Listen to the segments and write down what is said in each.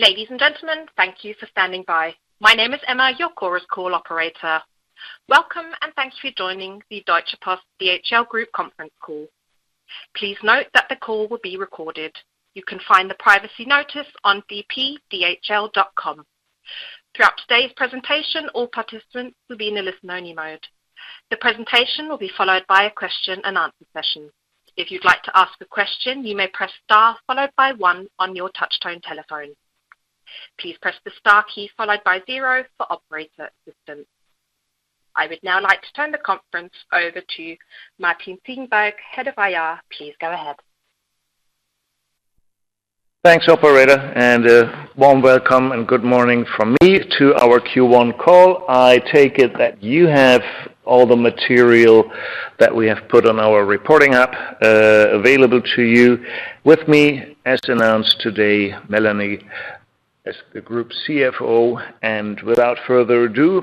Ladies and gentlemen, thank you for standing by. My name is Emma, your Chorus Call operator. Welcome, and thank you for joining the Deutsche Post DHL Group conference call. Please note that the call will be recorded. You can find the privacy notice on dhl.com. Throughout today's presentation, all participants will be in a listen-only mode. The presentation will be followed by a question-and-answer session. If you'd like to ask a question, you may press star followed by one on your touchtone telephone. Please press the star key followed by zero for operator assistance. I would now like to turn the conference over to Martin Ziegenbalg, Head of IR. Please go ahead. Thanks, operator, and a warm welcome and good morning from me to our Q1 call. I take it that you have all the material that we have put on our reporting app, available to you. With me, as announced today, Melanie as the Group CFO. Without further ado,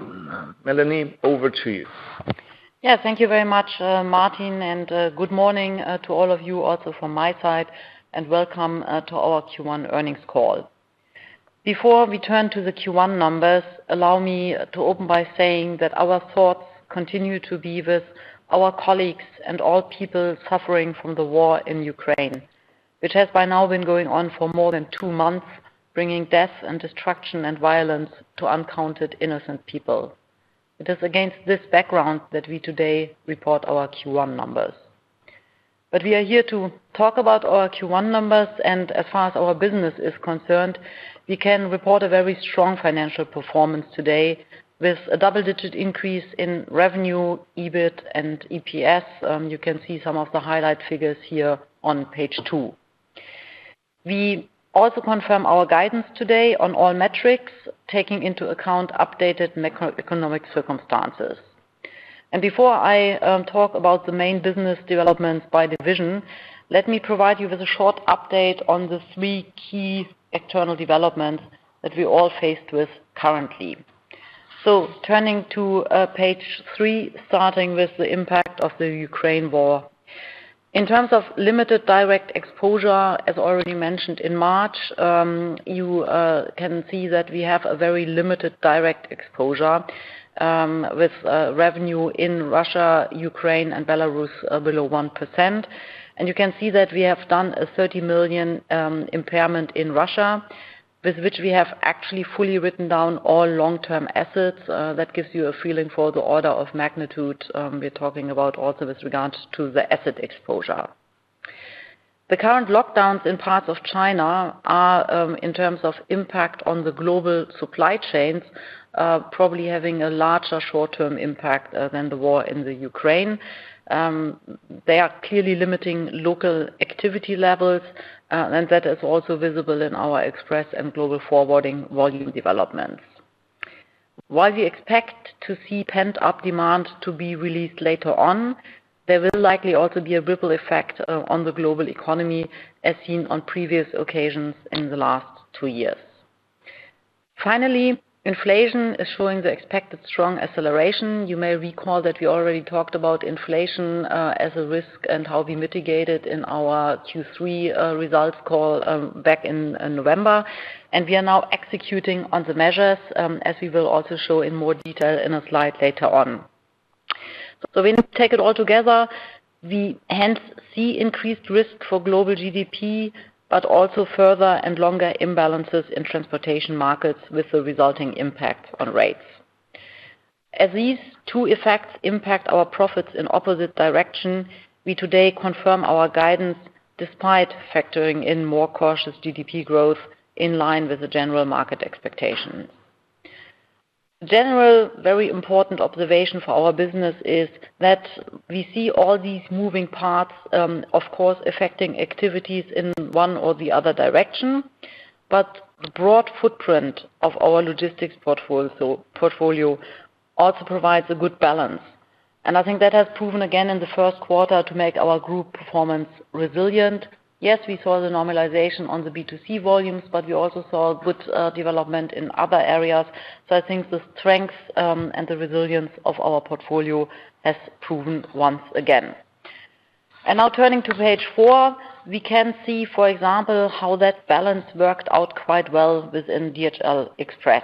Melanie, over to you. Yeah. Thank you very much, Martin, and good morning to all of you also from my side, and welcome to our Q1 earnings call. Before we turn to the Q1 numbers, allow me to open by saying that our thoughts continue to be with our colleagues and all people suffering from the war in Ukraine, which has by now been going on for more than two months, bringing death and destruction and violence to uncounted innocent people. It is against this background that we today report our Q1 numbers. We are here to talk about our Q1 numbers, and as far as our business is concerned, we can report a very strong financial performance today with a double-digit increase in revenue, EBIT, and EPS. You can see some of the highlight figures here on page two. We also confirm our guidance today on all metrics, taking into account updated macro-economic circumstances. Before I talk about the main business developments by division, let me provide you with a short update on the three key external developments that we all are facing currently. Turning to page three, starting with the impact of the Ukraine war. In terms of limited direct exposure, as already mentioned in March, you can see that we have a very limited direct exposure with revenue in Russia, Ukraine, and Belarus below 1%. You can see that we have done a 30 million impairment in Russia, with which we have actually fully written down all long-term assets. That gives you a feeling for the order of magnitude, we're talking about also with regards to the asset exposure. The current lockdowns in parts of China are in terms of impact on the global supply chains probably having a larger short-term impact than the war in the Ukraine. They are clearly limiting local activity levels and that is also visible in our Express and Global Forwarding volume developments. While we expect to see pent-up demand to be released later on, there will likely also be a ripple effect on the global economy, as seen on previous occasions in the last two years. Finally, inflation is showing the expected strong acceleration. You may recall that we already talked about inflation as a risk and how we mitigate it in our Q3 results call back in November. We are now executing on the measures as we will also show in more detail in a slide later on. When you take it all together, we hence see increased risk for global GDP, but also further and longer imbalances in transportation markets with the resulting impact on rates. As these two effects impact our profits in opposite direction, we today confirm our guidance despite factoring in more cautious GDP growth in line with the general market expectation. General very important observation for our business is that we see all these moving parts, of course affecting activities in one or the other direction. The broad footprint of our logistics portfolio also provides a good balance. I think that has proven again in the first quarter to make our group performance resilient. Yes, we saw the normalization on the B2C volumes, but we also saw good development in other areas. I think the strength and the resilience of our portfolio has proven once again. Now turning to page four, we can see, for example, how that balance worked out quite well within DHL Express.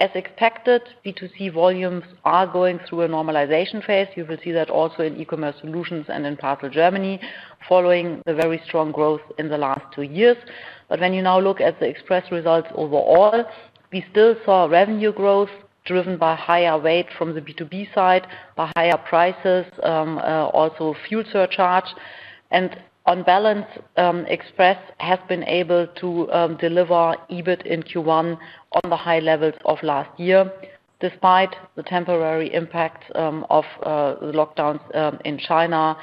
As expected, B2C volumes are going through a normalization phase. You will see that also in DHL eCommerce Solutions and in Post & Parcel Germany following the very strong growth in the last two years. When you now look at the Express results overall, we still saw revenue growth driven by higher weight from the B2B side, by higher prices, also fuel surcharge. On balance, Express has been able to deliver EBIT in Q1 on the high levels of last year, despite the temporary impact of the lockdowns in China,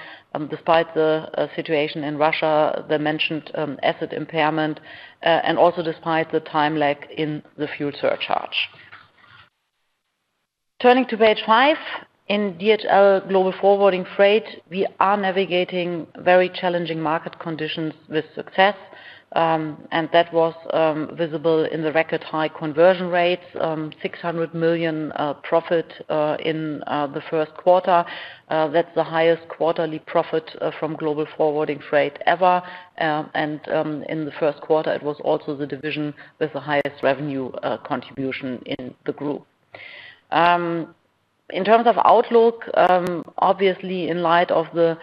despite the situation in Russia, the mentioned asset impairment, and also despite the time lag in the fuel surcharge. Turning to page five, in DHL Global Forwarding Freight, we are navigating very challenging market conditions with success, and that was visible in the record high conversion rates, 600 million profit in the first quarter. That's the highest quarterly profit from Global Forwarding, Freight ever. In the first quarter, it was also the division with the highest revenue contribution in the group. In terms of outlook, obviously in light of the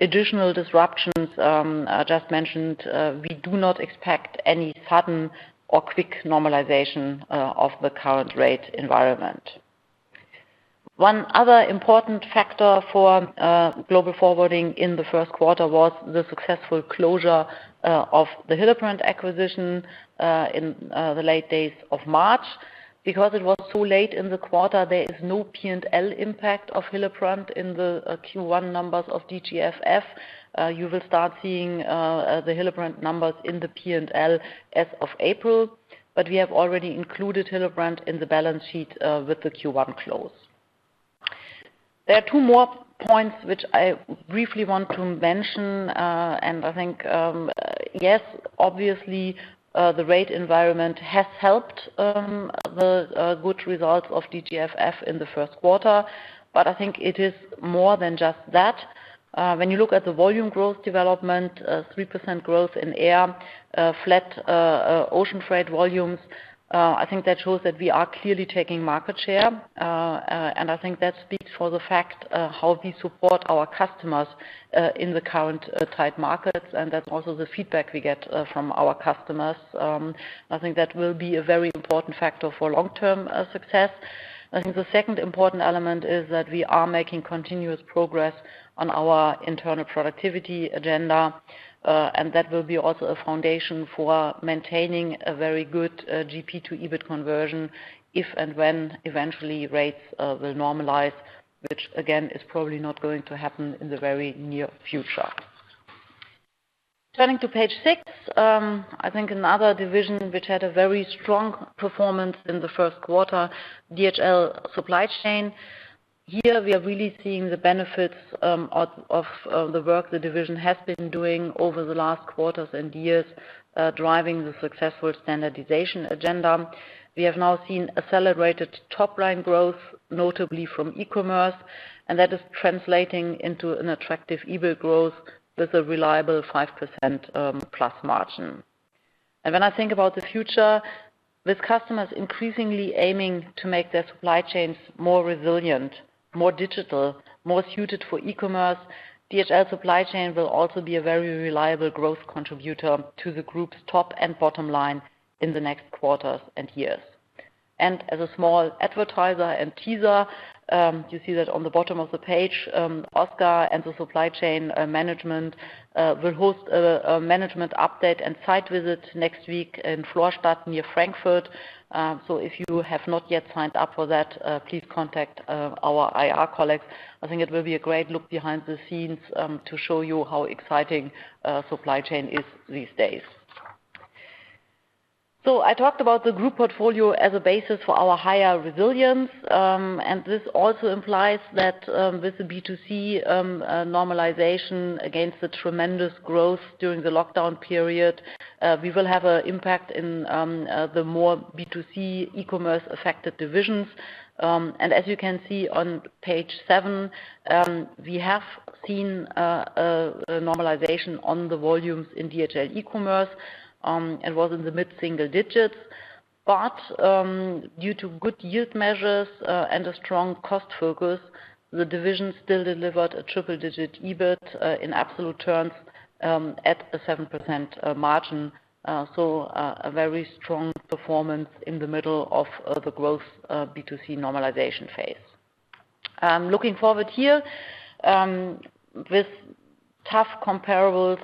additional disruptions I just mentioned, we do not expect any sudden or quick normalization of the current rate environment. One other important factor for Global Forwarding in the first quarter was the successful closure of the Hillebrand acquisition in the late days of March. Because it was so late in the quarter, there is no P&L impact of Hillebrand in the Q1 numbers of DGFF. You will start seeing the Hillebrand numbers in the P&L as of April, but we have already included Hillebrand in the balance sheet with the Q1 close. There are two more points which I briefly want to mention, and I think yes, obviously, the rate environment has helped the good results of DGFF in the first quarter, but I think it is more than just that. When you look at the volume growth development, 3% growth in air, flat ocean freight volumes, I think that shows that we are clearly taking market share. I think that speaks for the fact how we support our customers in the current tight markets, and that's also the feedback we get from our customers. I think that will be a very important factor for long-term success. I think the second important element is that we are making continuous progress on our internal productivity agenda, and that will be also a foundation for maintaining a very good GP to EBIT conversion if and when eventually rates will normalize, which again, is probably not going to happen in the very near future. Turning to page six, I think another division which had a very strong performance in the first quarter, DHL Supply Chain. Here, we are really seeing the benefits of the work the division has been doing over the last quarters and years, driving the successful standardization agenda. We have now seen accelerated top line growth, notably from e-commerce, and that is translating into an attractive EBIT growth with a reliable 5% plus margin. When I think about the future, with customers increasingly aiming to make their supply chains more resilient, more digital, more suited for e-commerce, DHL Supply Chain will also be a very reliable growth contributor to the group's top and bottom line in the next quarters and years. As a small aside and teaser, you see that on the bottom of the page, Oscar and the Supply Chain Management will host a management update and site visit next week in Flörsheim near Frankfurt. If you have not yet signed up for that, please contact our IR colleagues. I think it will be a great look behind the scenes to show you how exciting Supply Chain is these days. I talked about the group portfolio as a basis for our higher resilience, and this also implies that with the B2C normalization against the tremendous growth during the lockdown period, we will have an impact in the more B2C e-commerce affected divisions. As you can see on page seven, we have seen a normalization on the volumes in DHL eCommerce, and was in the mid-single digits. Due to good yield measures and a strong cost focus, the division still delivered a triple-digit EBIT in absolute terms at a 7% margin, so a very strong performance in the middle of the growth B2C normalization phase. Looking forward here, with tough comparables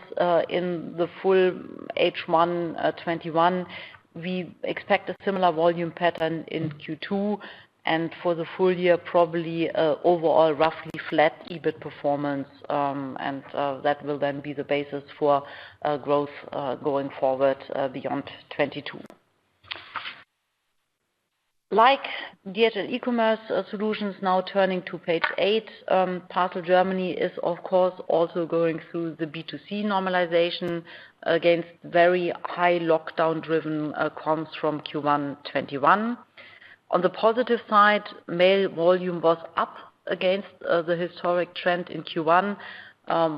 in the full H1 2021, we expect a similar volume pattern in Q2, and for the full year, probably overall roughly flat EBIT performance, and that will then be the basis for growth going forward beyond 2022. Like DHL eCommerce Solutions, now turning to page eight, Post & Parcel Germany is of course also going through the B2C normalization against very high lockdown-driven comps from Q1 2021. On the positive side, mail volume was up against the historic trend in Q1,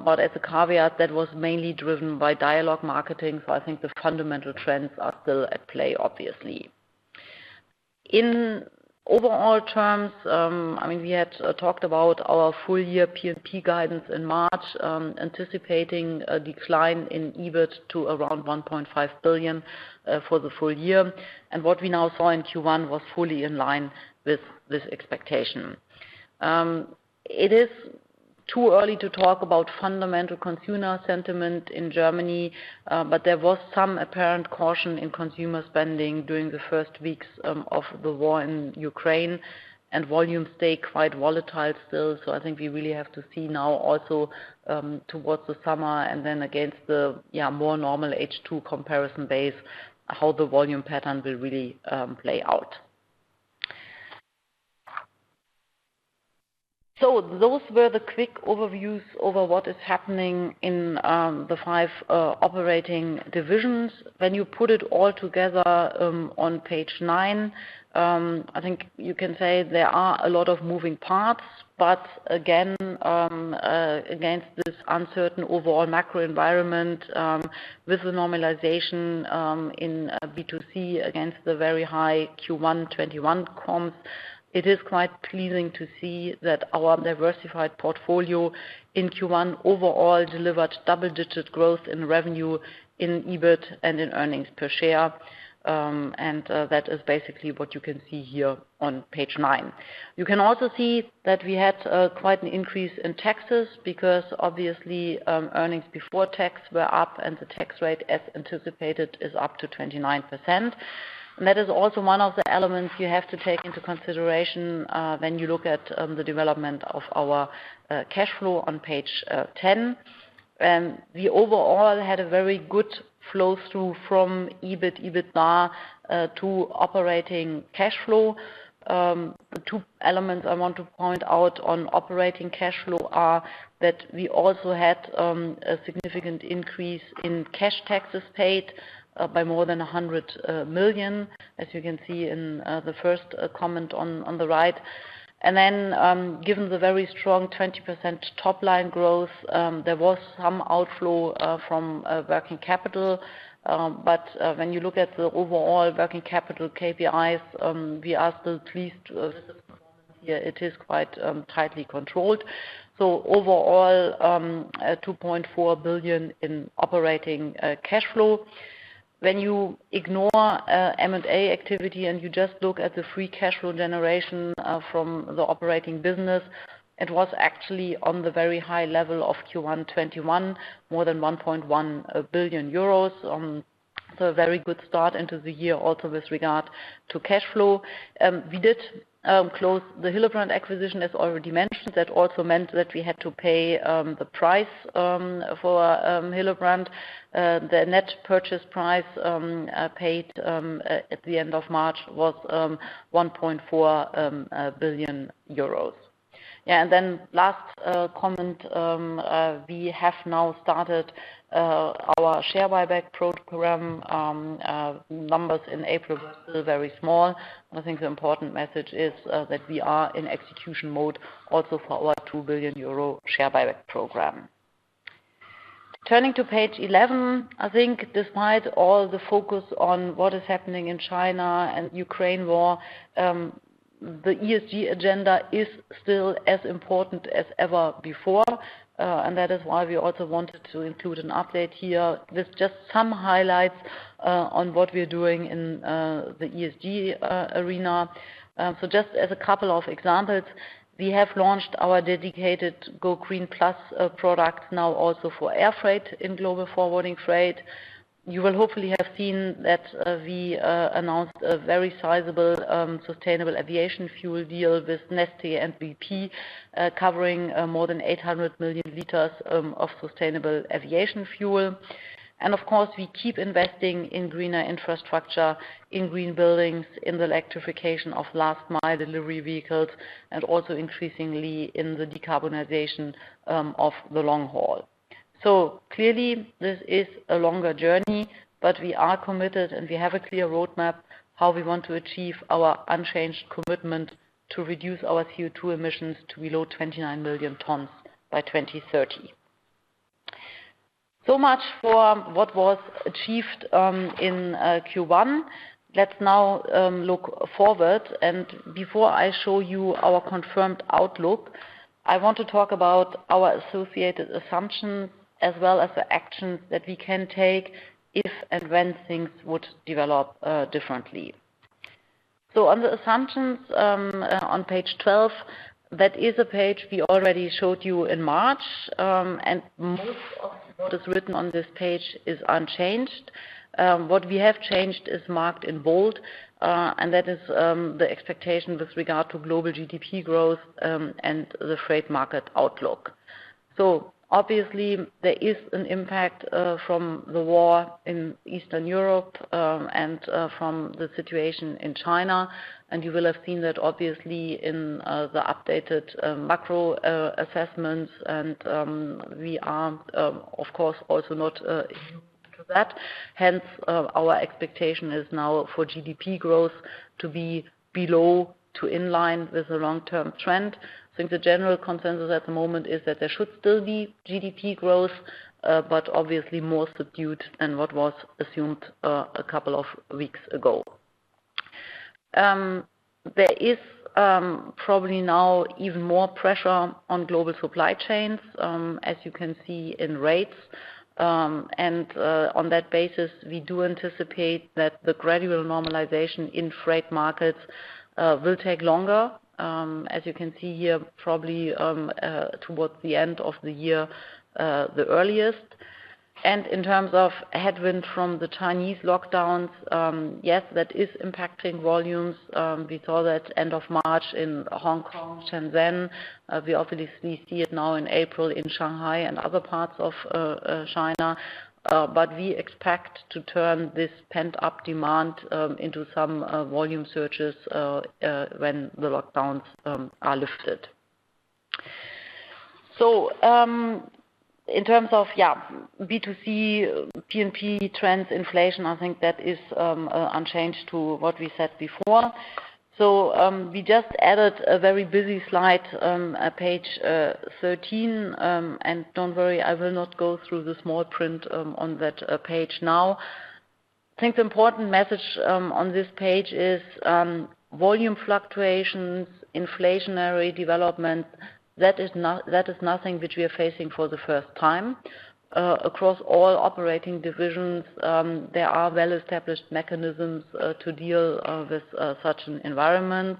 but as a caveat, that was mainly driven by dialogue marketing, so I think the fundamental trends are still at play, obviously. In overall terms, I mean, we had talked about our full-year P&P guidance in March, anticipating a decline in EBIT to around 1.5 billion for the full year, and what we now saw in Q1 was fully in line with this expectation. It is too early to talk about fundamental consumer sentiment in Germany, but there was some apparent caution in consumer spending during the first weeks of the war in Ukraine, and volumes stay quite volatile still. I think we really have to see now also towards the summer and then against the more normal H2 comparison base, how the volume pattern will really play out. Those were the quick overviews of what is happening in the five operating divisions. When you put it all together on page nine, I think you can say there are a lot of moving parts. Again against this uncertain overall macro environment with the normalization in B2C against the very high Q1 2021 comps, it is quite pleasing to see that our diversified portfolio in Q1 overall delivered double-digit growth in revenue, in EBIT, and in earnings per share. That is basically what you can see here on page nine. You can also see that we had quite an increase in taxes because obviously earnings before tax were up and the tax rate, as anticipated, is up to 29%. That is also one of the elements you have to take into consideration when you look at the development of our cash flow on page 10. We overall had a very good flow through from EBIT, EBITDA to operating cash flow. Two elements I want to point out on operating cash flow are that we also had a significant increase in cash taxes paid by more than 100 million, as you can see in the first comment on the right. Given the very strong 20% top line growth, there was some outflow from working capital. When you look at the overall working capital KPIs, we are still pleased with the performance here. It is quite tightly controlled. Overall, 2.4 billion in operating cash flow. When you ignore M&A activity and you just look at the free cash flow generation from the operating business, it was actually on the very high level of Q1 2021, more than 1.1 billion euros. A very good start into the year also with regard to cash flow. We did close the Hillebrand acquisition, as already mentioned. That also meant that we had to pay the price for Hillebrand. The net purchase price paid at the end of March was 1.4 billion euros. Yeah, last comment, we have now started our share buyback program. Numbers in April were still very small, and I think the important message is that we are in execution mode also for our 2 billion euro share buyback program. Turning to page 11, I think despite all the focus on what is happening in China and Ukraine war, the ESG agenda is still as important as ever before. That is why we also wanted to include an update here with just some highlights on what we are doing in the ESG arena. Just as a couple of examples, we have launched our dedicated GoGreen Plus product now also for air freight in DHL Global Forwarding, Freight. You will hopefully have seen that we announced a very sizable sustainable aviation fuel deal with Neste and BP covering more than 800 million liters of sustainable aviation fuel. Of course, we keep investing in greener infrastructure, in green buildings, in the electrification of last mile delivery vehicles, and also increasingly in the decarbonization of the long haul. Clearly this is a longer journey, but we are committed and we have a clear roadmap how we want to achieve our unchanged commitment to reduce our CO2 emissions to below 29 million tons by 2030. Much for what was achieved in Q1. Let's now look forward, and before I show you our confirmed outlook, I want to talk about our associated assumptions as well as the actions that we can take if and when things would develop differently. On the assumptions, on page 12, that is a page we already showed you in March. Most of what is written on this page is unchanged. What we have changed is marked in bold, and that is, the expectation with regard to global GDP growth, and the freight market outlook. Obviously there is an impact, from the war in Eastern Europe, and, from the situation in China. You will have seen that obviously in, the updated, macro, assessments. We aren't, of course, also not, immune to that. Hence, our expectation is now for GDP growth to be below or in line with the long-term trend. I think the general consensus at the moment is that there should still be GDP growth, but obviously more subdued than what was assumed, a couple of weeks ago. There is probably now even more pressure on global supply chains, as you can see in rates. On that basis, we do anticipate that the gradual normalization in freight markets will take longer, as you can see here, probably towards the end of the year, the earliest. In terms of headwind from the Chinese lockdowns, yes, that is impacting volumes. We saw that end of March in Hong Kong, Shenzhen. We obviously see it now in April in Shanghai and other parts of China. We expect to turn this pent-up demand into some volume surges when the lockdowns are lifted. In terms of, yeah, B2C, P&P trends, inflation, I think that is unchanged to what we said before. We just added a very busy slide, page 13. Don't worry, I will not go through the small print on that page now. Think the important message on this page is volume fluctuations, inflationary development, that is nothing which we are facing for the first time. Across all operating divisions, there are well-established mechanisms to deal with such an environment.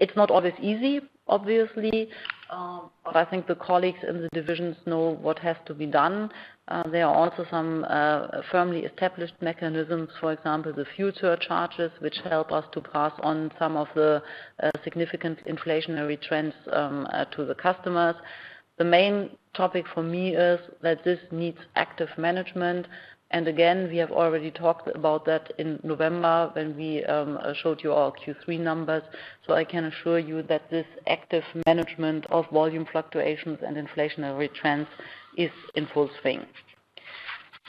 It's not always easy, obviously, but I think the colleagues in the divisions know what has to be done. There are also some firmly established mechanisms, for example, the future charges which help us to pass on some of the significant inflationary trends to the customers. The main topic for me is that this needs active management. Again, we have already talked about that in November when we showed you our Q3 numbers. I can assure you that this active management of volume fluctuations and inflationary trends is in full swing.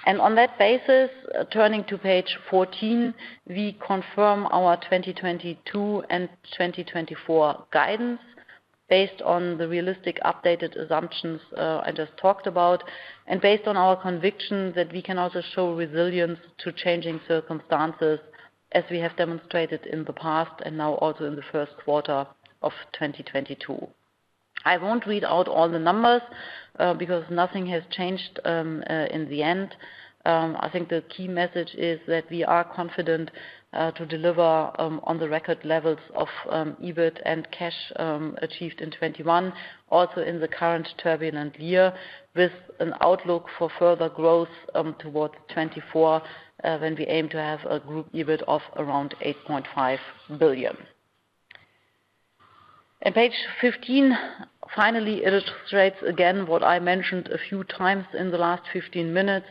On that basis, turning to page 14, we confirm our 2022 and 2024 guidance based on the realistic updated assumptions I just talked about. Based on our conviction that we can also show resilience to changing circumstances as we have demonstrated in the past and now also in the first quarter of 2022. I won't read out all the numbers, because nothing has changed, in the end. I think the key message is that we are confident to deliver on the record levels of EBIT and cash achieved in 2021, also in the current turbulent year, with an outlook for further growth towards 2024, when we aim to have a group EBIT of around 8.5 billion. Page 15 finally illustrates again what I mentioned a few times in the last 15 minutes,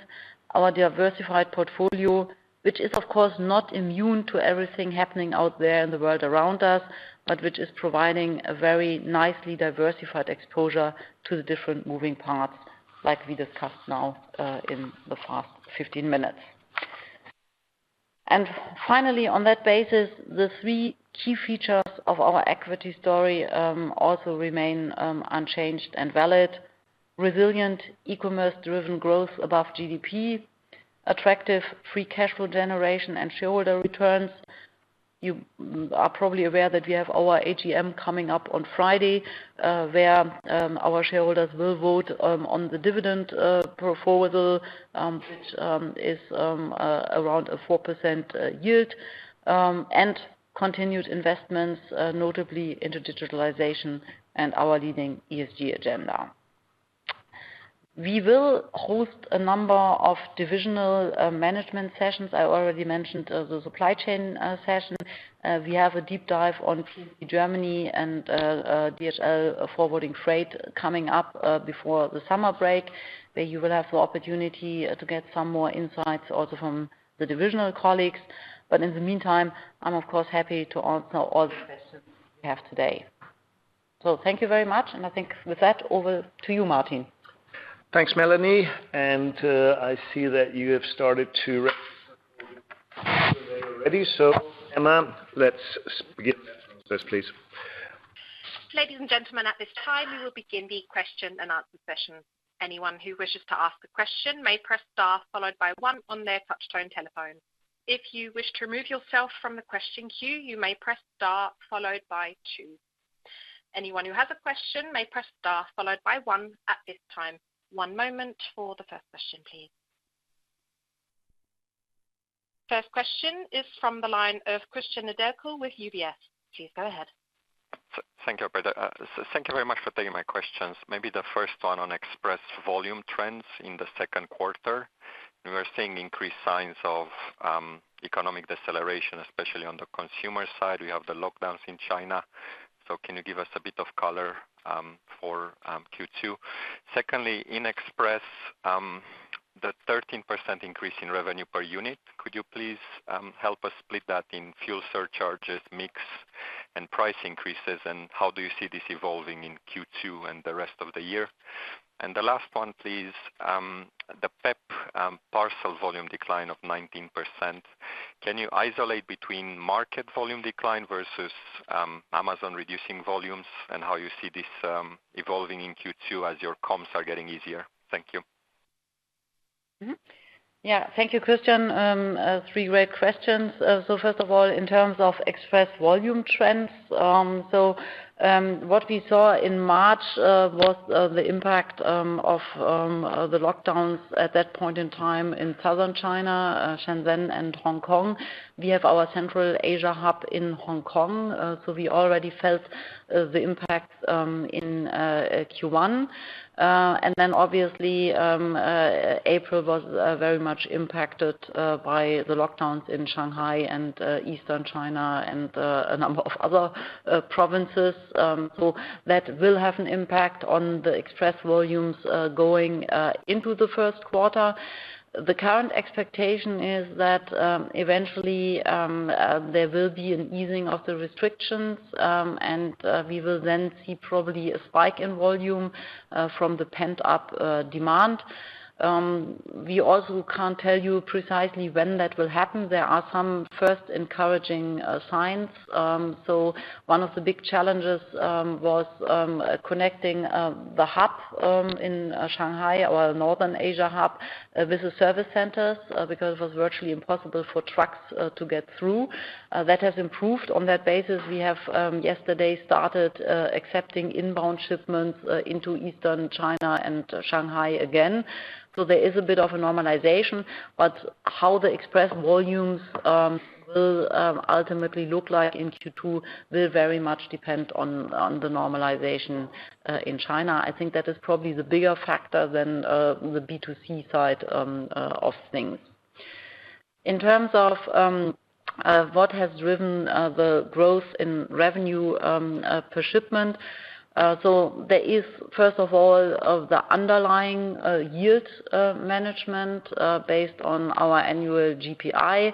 our diversified portfolio, which is of course not immune to everything happening out there in the world around us, but which is providing a very nicely diversified exposure to the different moving parts like we discussed now, in the past 15 minutes. Finally, on that basis, the three key features of our equity story also remain unchanged and valid. Resilient, e-commerce driven growth above GDP, attractive free cash flow generation and shareholder returns. You are probably aware that we have our AGM coming up on Friday, where our shareholders will vote on the dividend proposal, which is around a 4% yield, and continued investments, notably into digitalization and our leading ESG agenda. We will host a number of divisional, management sessions. I already mentioned, the supply chain, session. We have a deep dive on Germany and, DHL Global Forwarding, Freight coming up, before the summer break, where you will have the opportunity, to get some more insights also from the divisional colleagues. In the meantime, I'm of course happy to answer all the questions we have today. Thank you very much, and I think with that, over to you, Martin. Thanks, Melanie. I see that you have started to already. Emma, let's begin the questions, please. Ladies and gentlemen, at this time, we will begin the question and answer session. Anyone who wishes to ask a question may press star followed by one on their touch tone telephone. If you wish to remove yourself from the question queue, you may press star followed by two. Anyone who has a question may press star followed by one at this time. One moment for the first question, please. First question is from the line of Cristian Nedelcu with UBS. Please go ahead. Thank you. Thank you very much for taking my questions. Maybe the first one on express volume trends in the second quarter. We are seeing increased signs of economic deceleration, especially on the consumer side. We have the lockdowns in China. Can you give us a bit of color for Q2? Secondly, in express, the 13% increase in revenue per unit, could you please help us split that in fuel surcharges, mix, and price increases? How do you see this evolving in Q2 and the rest of the year? The last one please, the P&P parcel volume decline of 19%, can you isolate between market volume decline versus Amazon reducing volumes and how you see this evolving in Q2 as your comps are getting easier? Thank you. Mm-hmm. Yeah. Thank you, Cristian. Three great questions. First of all, in terms of express volume trends, what we saw in March was the impact of the lockdowns at that point in time in Southern China, Shenzhen and Hong Kong. We have our Central Asia hub in Hong Kong, so we already felt the impact in Q1. Obviously, April was very much impacted by the lockdowns in Shanghai and Eastern China and a number of other provinces. That will have an impact on the express volumes, going into the first quarter. The current expectation is that, eventually, there will be an easing of the restrictions, and we will then see probably a spike in volume, from the pent-up demand. We also can't tell you precisely when that will happen. There are some first encouraging signs. One of the big challenges was connecting the hub in Shanghai, our Northern Asia hub, with the service centers, because it was virtually impossible for trucks to get through. That has improved. On that basis, we have yesterday started accepting inbound shipments into Eastern China and Shanghai again. There is a bit of a normalization, but how the Express volumes will ultimately look like in Q2 will very much depend on the normalization in China. I think that is probably the bigger factor than the B2C side of things. In terms of what has driven the growth in revenue per shipment, there is, first of all, of the underlying yield management based on our annual GPI,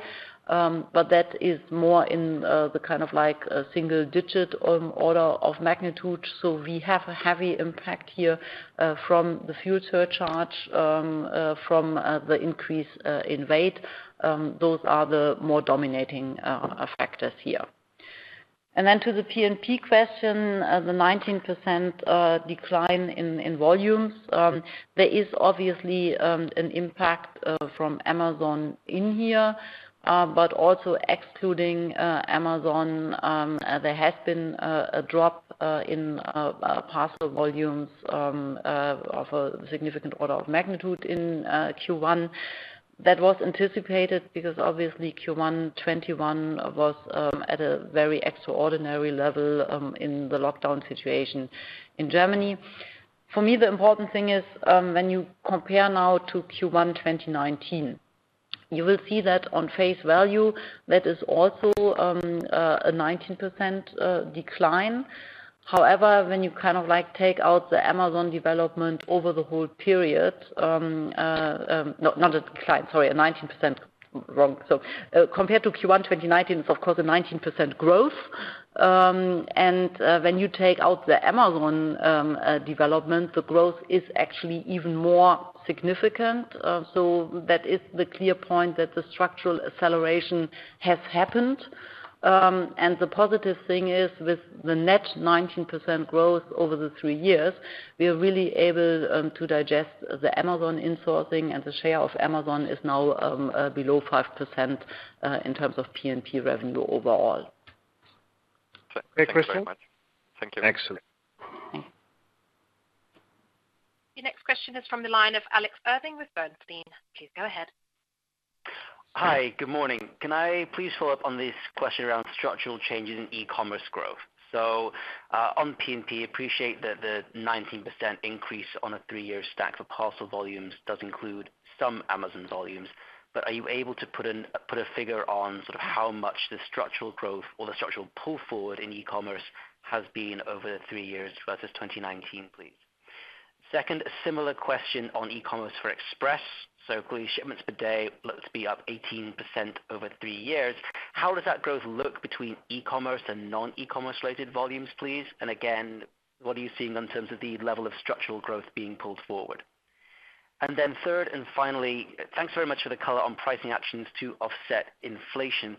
but that is more in the kind of like a single digit order of magnitude, so we have a heavy impact here from the fuel surcharge from the increase in weight. Those are the more dominating factors here. To the P&P question, the 19% decline in volumes, there is obviously an impact from Amazon in here, but also excluding Amazon, there has been a drop in parcel volumes of a significant order of magnitude in Q1. That was anticipated because obviously Q1 2021 was at a very extraordinary level in the lockdown situation in Germany. For me, the important thing is, when you compare now to Q1 2019, you will see that on face value, that is also a 19% decline. However, when you kind of like take out the Amazon development over the whole period, not a decline, sorry, 19%, wrong. Compared to Q1 2019, it's of course a 19% growth. when you take out the Amazon development, the growth is actually even more significant. that is the clear point that the structural acceleration has happened. the positive thing is with the net 19% growth over the three years, we are really able to digest the Amazon insourcing, and the share of Amazon is now below 5% in terms of P&P revenue overall. Great. Thanks very much. Thank you. Excellent. Your next question is from the line of Alex Irving with Bernstein. Please go ahead. Hi. Good morning. Can I please follow up on this question around structural changes in e-commerce growth? On P&P, appreciate the 19% increase on a three-year stack for parcel volumes does include some Amazon volumes, but are you able to put a figure on sort of how much the structural growth or the structural pull forward in e-commerce has been over the three years versus 2019, please? Second similar question on e-commerce for Express. Agree, shipments per day looks to be up 18% over three years. How does that growth look between e-commerce and non-e-commerce related volumes, please? Again, what are you seeing in terms of the level of structural growth being pulled forward? Third, and finally, thanks very much for the color on pricing actions to offset inflation.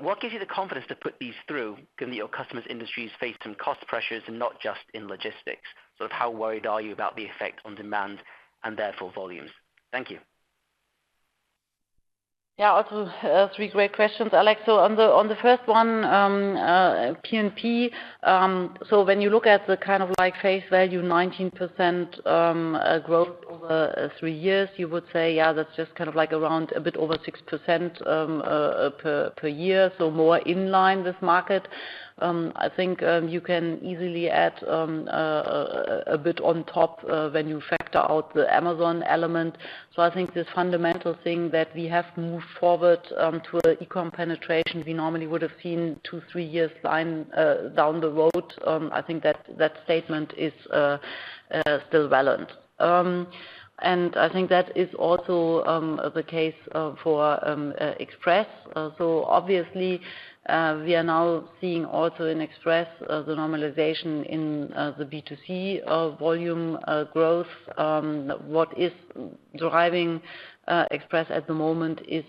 What gives you the confidence to put these through, given that your customers' industries face some cost pressures and not just in logistics? Sort of how worried are you about the effect on demand and therefore volumes? Thank you. Yeah, also three great questions, Alex. On the first one, P&P, when you look at the kind of like face value, 19% growth over three years, you would say, yeah, that's just kind of like around a bit over 6% per year. More in line with market. I think you can easily add a bit on top when you factor out the Amazon element. I think the fundamental thing that we have moved forward to an e-com penetration we normally would have seen two, three years down the line down the road, that statement is still valid. I think that is also the case for Express. Obviously, we are now seeing also in Express the normalization in the B2C volume growth. What is driving Express at the moment is,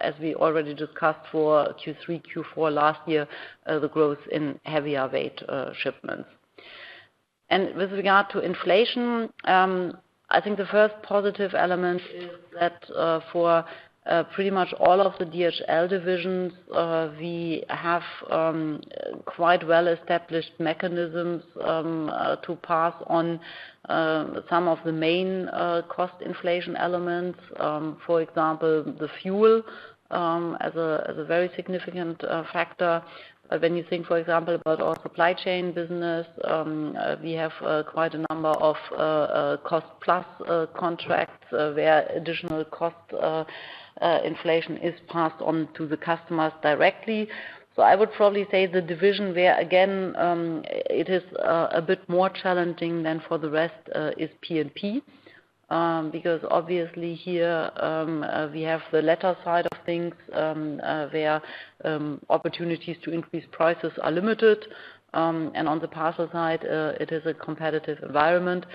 as we already discussed for Q3, Q4 last year, the growth in heavier weight shipments. With regard to inflation, I think the first positive element is that for pretty much all of the DHL divisions we have quite well-established mechanisms to pass on some of the main cost inflation elements. For example, the fuel as a very significant factor. When you think, for example, about our supply chain business, we have quite a number of cost plus contracts where additional cost inflation is passed on to the customers directly. I would probably say the division where again, it is a bit more challenging than for the rest is P&P. Because obviously here, we have the letter side of things, where opportunities to increase prices are limited, and on the parcel side, it is a competitive environment.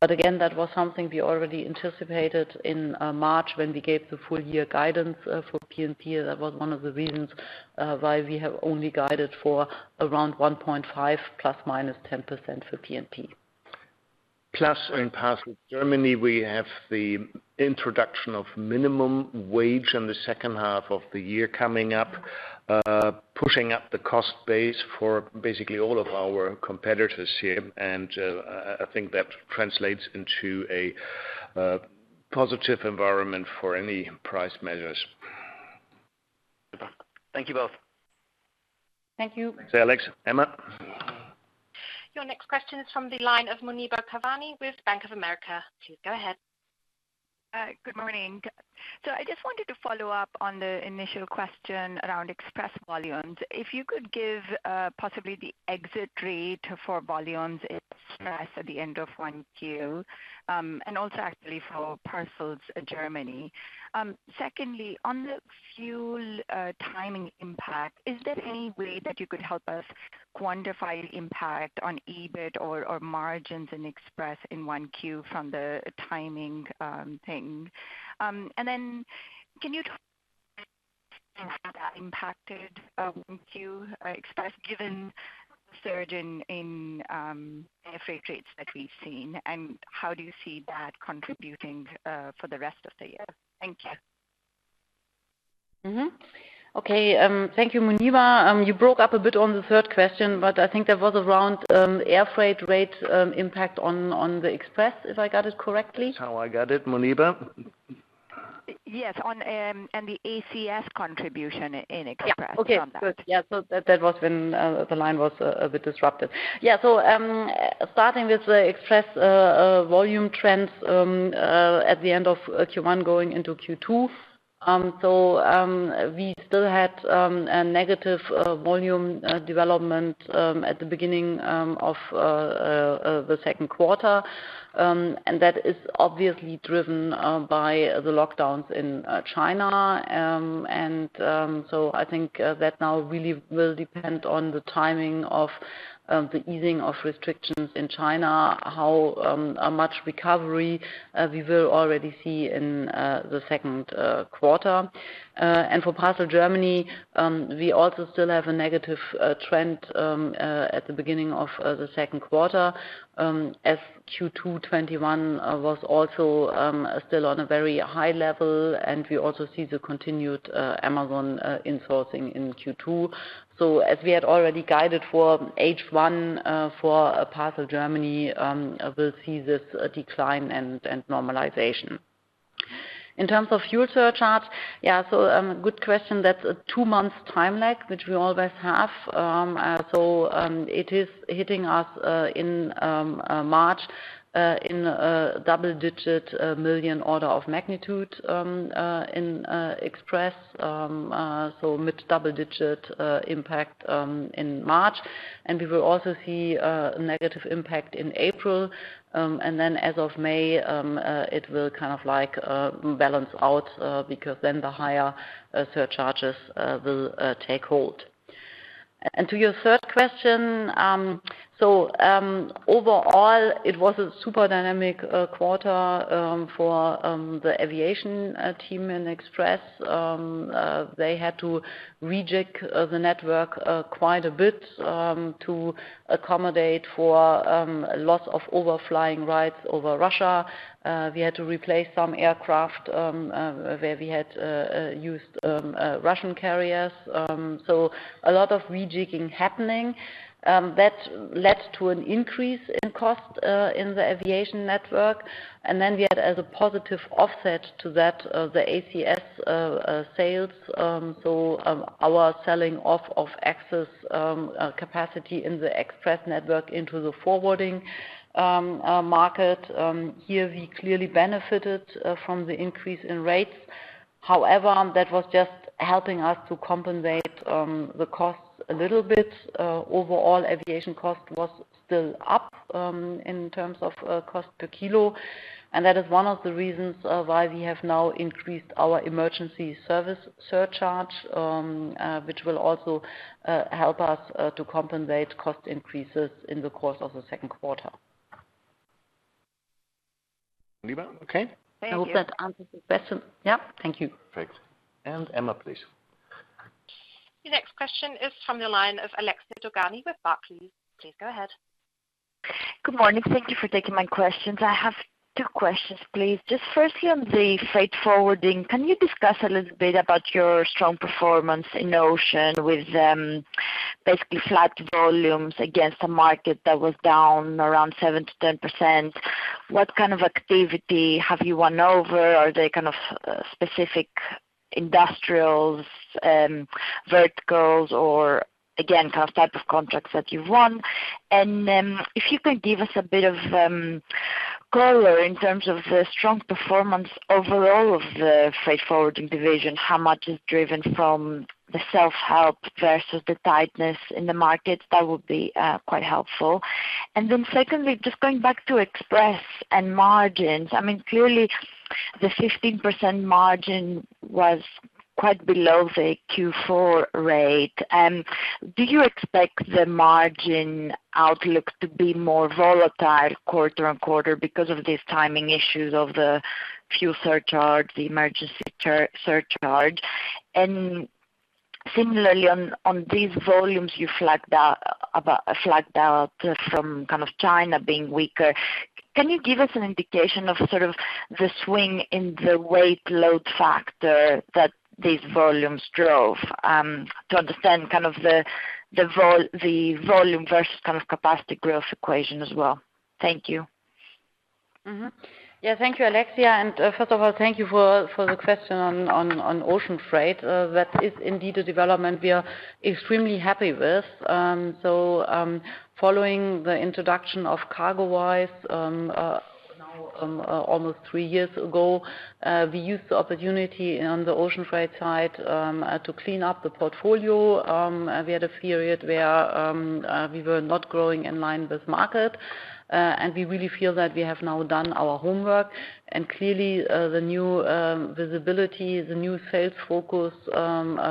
Again, that was something we already anticipated in March when we gave the full year guidance for P&P. That was one of the reasons why we have only guided for around 1.5 ±10% for P&P. In Post & Parcel Germany, we have the introduction of minimum wage in the second half of the year coming up, pushing up the cost base for basically all of our competitors here. I think that translates into a positive environment for any price measures. Thank you both. Thank you. Thanks, Alex. Emma? Your next question is from the line of Muneeba Kayani with Bank of America. Please go ahead. Good morning. I just wanted to follow up on the initial question around Express volumes. If you could give possibly the exit rate for volumes in Express at the end of 1Q, and also actually for Parcels Germany. Secondly, on the fuel timing impact, is there any way that you could help us quantify impact on EBIT or margins in Express in 1Q from the timing thing? Can you tell how that impacted 1Q Express, given the surge in air freight rates that we've seen? How do you see that contributing for the rest of the year? Thank you. Okay, thank you, Muneeba. You broke up a bit on the third question, but I think that was around air freight rate impact on the Express, if I got it correctly. That's how I got it, Muneeba. Yes, the ACS contribution in Express on that. Yeah. Okay, good. Yeah, that was when the line was a bit disrupted. Starting with the Express volume trends at the end of Q1 going into Q2. We still had a negative volume development at the beginning of the second quarter. That is obviously driven by the lockdowns in China. I think that now really will depend on the timing of the easing of restrictions in China, how much recovery we will already see in the second quarter. For Post in Germany, we also still have a negative trend at the beginning of the second quarter, as Q2 2021 was also still on a very high level, and we also see the continued Amazon insourcing in Q2. As we had already guided for H1 for Post in Germany, we'll see this decline and normalization. In terms of fuel surcharge, good question. That's a two-month time lag, which we always have. It is hitting us in March in a double-digit million EUR order of magnitude in DHL Express, so mid-double-digit EUR impact in March. We will also see a negative impact in April. As of May, it will kind of like balance out, because the higher surcharges will take hold. To your third question, overall, it was a super dynamic quarter for the aviation team in Express. They had to rejig the network quite a bit to accommodate for a lot of overflying rights over Russia. We had to replace some aircraft where we had used Russian carriers. A lot of rejigging happening that led to an increase in cost in the aviation network. We had as a positive offset to that, the ACS sales, so our selling off of excess capacity in the Express network into the forwarding market. Here we clearly benefited from the increase in rates. However, that was just helping us to compensate the costs a little bit. Overall aviation cost was still up in terms of cost per kilo. That is one of the reasons why we have now increased our emergency service surcharge, which will also help us to compensate cost increases in the course of the second quarter. Muneeba, okay? Thank you. I hope that answers the question. Yeah. Thank you. Perfect. Emma, please. The next question is from the line of Alexia Dogani with Barclays. Please go ahead. Good morning. Thank you for taking my questions. I have two questions, please. Just firstly, on the freight forwarding, can you discuss a little bit about your strong performance in Ocean with, basically flat volumes against a market that was down around 7%-10%? What kind of activity have you won over? Are they kind of, specific industrials, verticals, or again, kind of type of contracts that you've won? And, if you can give us a bit of, color in terms of the strong performance overall of the freight forwarding division, how much is driven from the self-help versus the tightness in the markets, that would be, quite helpful. And then secondly, just going back to Express and margins, I mean, clearly the 15% margin was quite below the Q4 rate. Do you expect the margin outlook to be more volatile quarter on quarter because of these timing issues of the fuel surcharge, the emergency charter surcharge? Similarly, on these volumes, you flagged out from kind of China being weaker. Can you give us an indication of sort of the swing in the weight load factor that these volumes drove, to understand kind of the volume versus kind of capacity growth equation as well? Thank you. Mm-hmm. Yeah, thank you, Alexia. First of all, thank you for the question on ocean freight. That is indeed a development we are extremely happy with. Following the introduction of CargoWise, now, almost three years ago, we used the opportunity on the ocean freight side to clean up the portfolio. We had a period where we were not growing in line with market, and we really feel that we have now done our homework. Clearly, the new visibility, the new sales focus,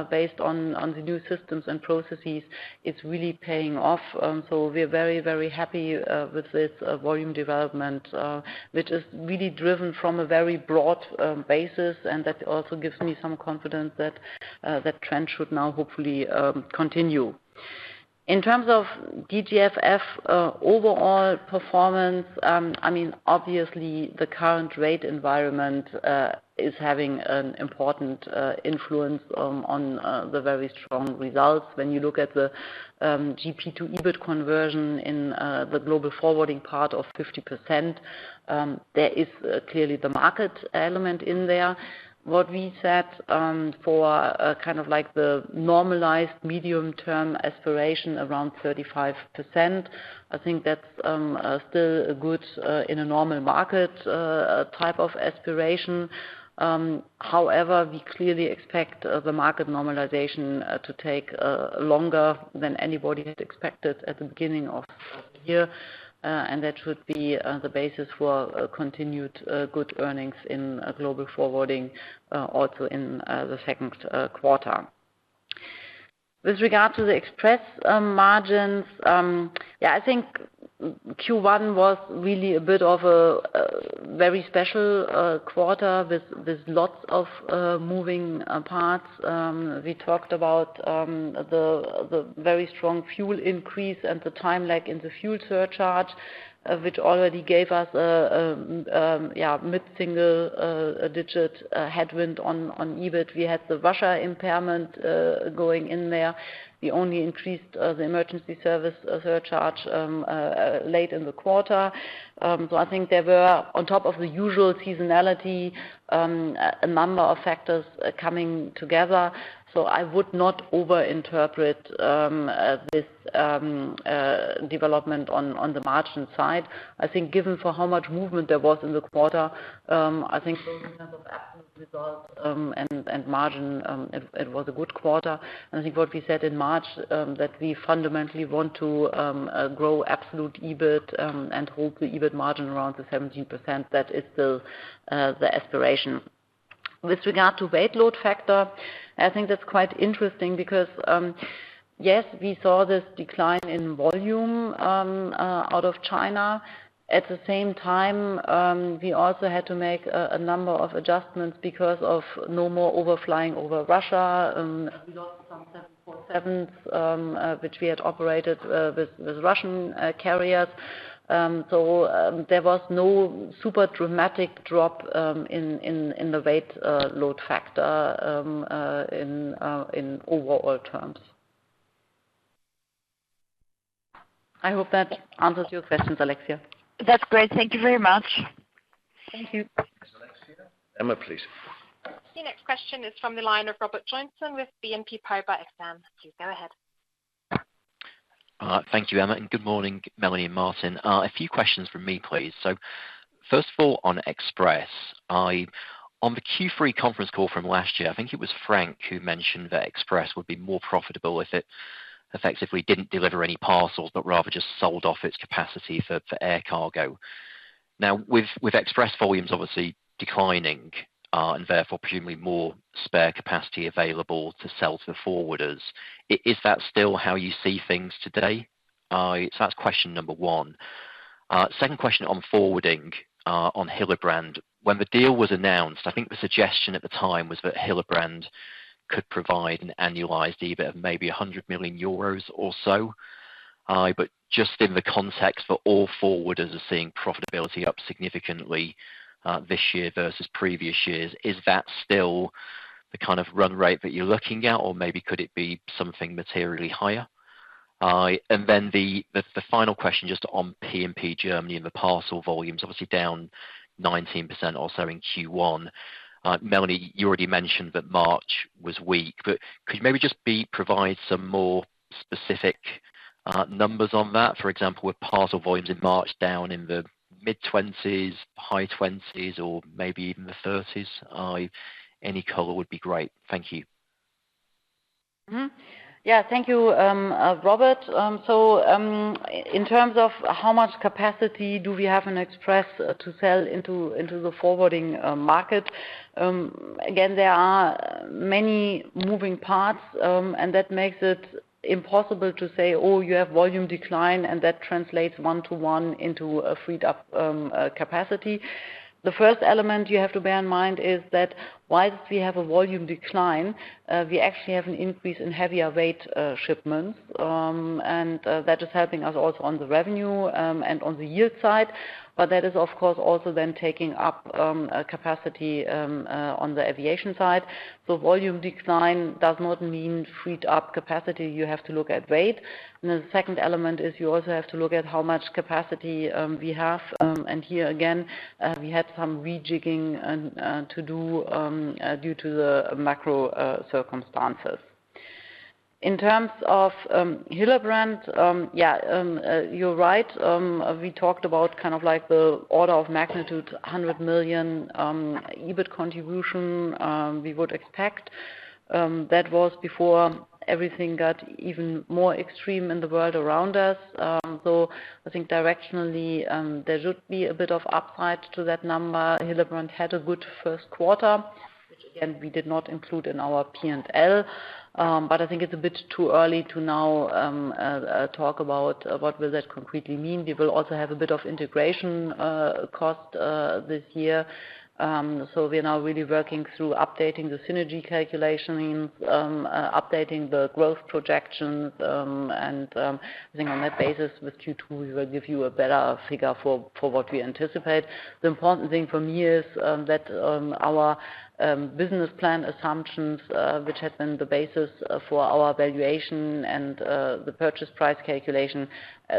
based on the new systems and processes, it's really paying off. We're very, very happy with this volume development, which is really driven from a very broad basis, and that also gives me some confidence that that trend should now hopefully continue. In terms of DGFF overall performance, I mean, obviously the current rate environment is having an important influence on the very strong results. When you look at the GP to EBIT conversion in the global forwarding part of 50%, there is clearly the market element in there. What we set for kind of like the normalized medium-term aspiration around 35%, I think that's still a good in a normal market type of aspiration. However, we clearly expect the market normalization to take longer than anybody had expected at the beginning of the year, and that should be the basis for continued good earnings in global forwarding also in the second quarter. With regard to the express margins, yeah, I think Q1 was really a bit of a very special quarter with lots of moving parts. We talked about the very strong fuel increase and the time lag in the fuel surcharge, which already gave us yeah, mid-single digit headwind on EBIT. We had the Russia impairment going in there. We only increased the emergency service surcharge late in the quarter. I think there were, on top of the usual seasonality, a number of factors coming together. I would not overinterpret this development on the margin side. I think given how much movement there was in the quarter, I think in terms of absolute results, and margin, it was a good quarter. I think what we said in March, that we fundamentally want to grow absolute EBIT, and hold the EBIT margin around 17%. That is still the aspiration. With regard to weight load factor, I think that's quite interesting because, yes, we saw this decline in volume out of China. At the same time, we also had to make a number of adjustments because of no more overflying over Russia. We lost some 747s, which we had operated with Russian carriers. There was no super dramatic drop in the weight load factor in overall terms. I hope that answers your questions, Alexia. That's great. Thank you very much. Thank you. Thanks, Alexia. Emma, please. The next question is from the line of Robert Joynson with BNP Paribas Exane. Please go ahead. Thank you, Emma. Good morning, Melanie and Martin. A few questions from me, please. First of all, on Express, on the Q3 conference call from last year, I think it was Frank who mentioned that Express would be more profitable if it effectively didn't deliver any parcels, but rather just sold off its capacity for air cargo. Now, with Express volumes obviously declining, and therefore presumably more spare capacity available to sell to the forwarders, is that still how you see things today? That's question number one. Second question on forwarding, on Hillebrand. When the deal was announced, I think the suggestion at the time was that Hillebrand could provide an annualized EBIT of maybe 100 million euros or so. Just in the context for all forwarders are seeing profitability up significantly, this year versus previous years, is that still the kind of run rate that you're looking at, or maybe could it be something materially higher? The final question just on P&P Germany and the parcel volumes, obviously down 19% or so in Q1. Melanie, you already mentioned that March was weak, but could you maybe just provide some more specific numbers on that? For example, were parcel volumes in March down in the mid-20s, high 20s, or maybe even the 30s? Any color would be great. Thank you. Thank you, Robert. In terms of how much capacity do we have in Express to sell into the forwarding market. Again, there are many moving parts, and that makes it impossible to say, "Oh, you have volume decline, and that translates one-to-one into a freed up capacity." The first element you have to bear in mind is that while we have a volume decline, we actually have an increase in heavier weight shipments. That is helping us also on the revenue, and on the yield side. That is, of course, also then taking up capacity on the aviation side. Volume decline does not mean freed up capacity. You have to look at weight. The second element is you also have to look at how much capacity we have. Here again, we had some rejigging to do due to the macro circumstances. In terms of Hillebrand, you're right. We talked about kind of like the order of magnitude, 100 million EBIT contribution we would expect. That was before everything got even more extreme in the world around us. I think directionally, there should be a bit of upside to that number. Hillebrand had a good first quarter, which, again, we did not include in our P&L. I think it's a bit too early to now talk about what will that concretely mean. We will also have a bit of integration cost this year. We are now really working through updating the synergy calculations, updating the growth projections, and I think on that basis with Q2, we will give you a better figure for what we anticipate. The important thing for me is that our business plan assumptions, which have been the basis for our valuation and the purchase price calculation,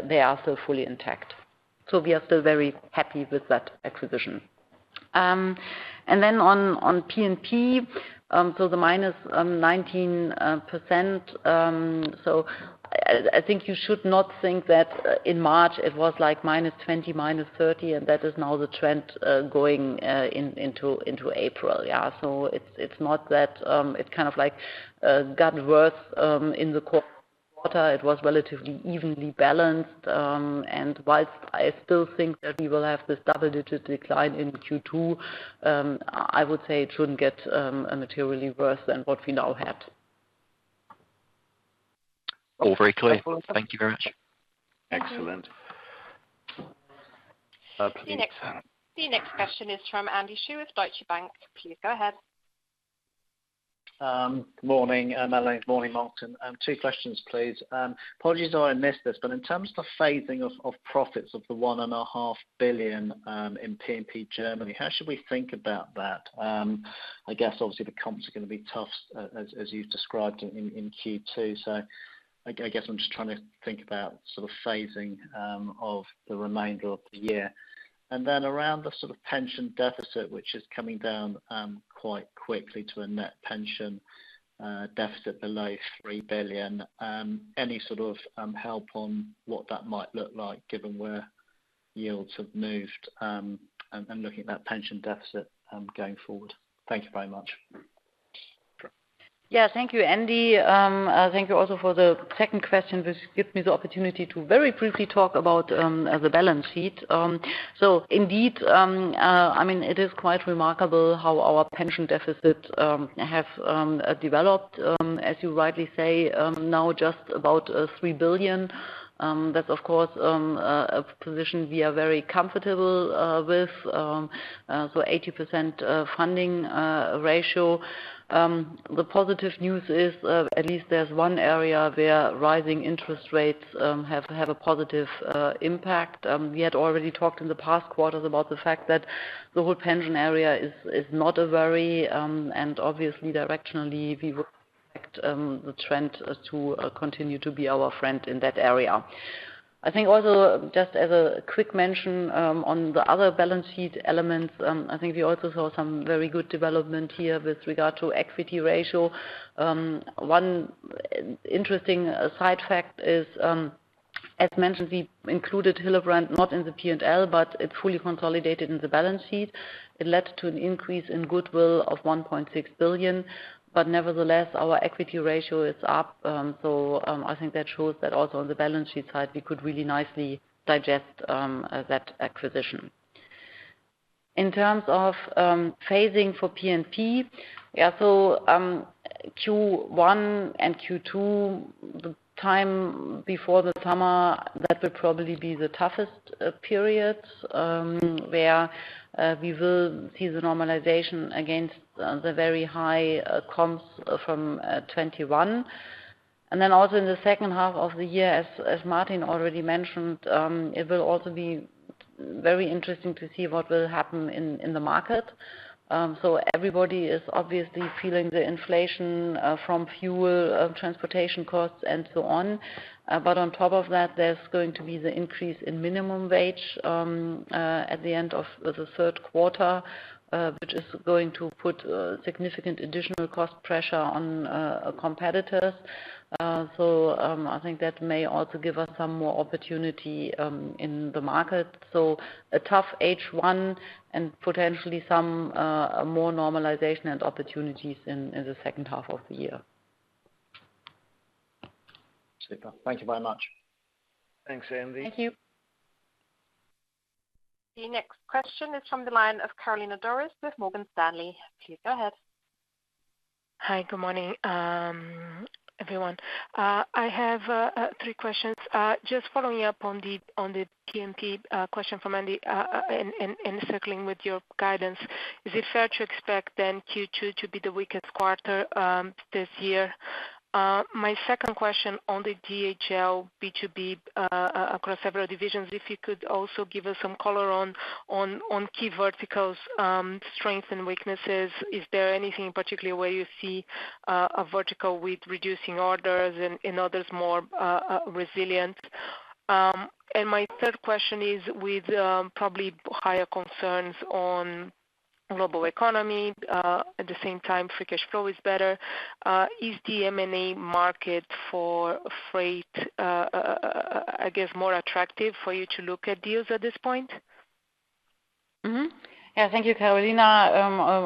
they are still fully intact. We are still very happy with that acquisition. Then on P&P, so the -19%, so I think you should not think that in March it was like -20%, -30%, and that is now the trend going into April, yeah. It's not that it kind of like got worse in the quarter. It was relatively evenly balanced. While I still think that we will have this double-digit decline in Q2, I would say it shouldn't get materially worse than what we now had. All very clear. Thank you very much. Mm-hmm. Excellent. The next question is from Andy Chu with Deutsche Bank. Please go ahead. Good morning, Melanie. Morning, Martin. Two questions, please. Apologies if I missed this, but in terms of the phasing of profits of the 1.5 billion in P&P Germany, how should we think about that? I guess obviously the comps are gonna be tough, as you've described in Q2. I guess I'm just trying to think about sort of phasing of the remainder of the year. Around the sort of pension deficit, which is coming down quite quickly to a net pension deficit below 3 billion, any sort of help on what that might look like given where yields have moved, and looking at that pension deficit going forward? Thank you very much. Yeah. Thank you, Andy. Thank you also for the second question, which gives me the opportunity to very briefly talk about the balance sheet. Indeed, I mean, it is quite remarkable how our pension deficit have developed. As you rightly say, now just about 3 billion. That's of course a position we are very comfortable with, so 80% funding ratio. The positive news is, at least there's one area where rising interest rates have a positive impact. We had already talked in the past quarters about the fact that the whole pension area is not a very, and obviously directionally we would expect the trend to continue to be our friend in that area. I think also, just as a quick mention, on the other balance sheet elements, I think we also saw some very good development here with regard to equity ratio. One interesting side fact is, as mentioned, we included Hillebrand not in the P&L, but it fully consolidated in the balance sheet. It led to an increase in goodwill of 1.6 billion. Nevertheless, our equity ratio is up, I think that shows that also on the balance sheet side, we could really nicely digest that acquisition. In terms of phasing for P&P, Q1 and Q2, the time before the summer, that will probably be the toughest periods, where we will see the normalization against the very high comps from 2021. Also in the second half of the year, as Martin already mentioned, it will also be very interesting to see what will happen in the market. Everybody is obviously feeling the inflation from fuel, transportation costs, and so on. But on top of that, there's going to be the increase in minimum wage at the end of the third quarter, which is going to put significant additional cost pressure on competitors. I think that may also give us some more opportunity in the market. A tough H1 and potentially some more normalization and opportunities in the second half of the year. Super. Thank you very much. Thanks, Andy. Thank you. The next question is from the line of Carolina Dores with Morgan Stanley. Please go ahead. Hi, good morning, everyone. I have three questions. Just following up on the P&P question from Andy and circling with your guidance, is it fair to expect then Q2 to be the weakest quarter this year? My second question on the DHL B2B across several divisions, if you could also give us some color on key verticals, strengths and weaknesses. Is there anything in particular where you see a vertical with reducing orders and others more resilient? My third question is with probably higher concerns on global economy, at the same time, free cash flow is better, is the M&A market for freight, I guess, more attractive for you to look at deals at this point? Mm-hmm. Yeah. Thank you, Carolina.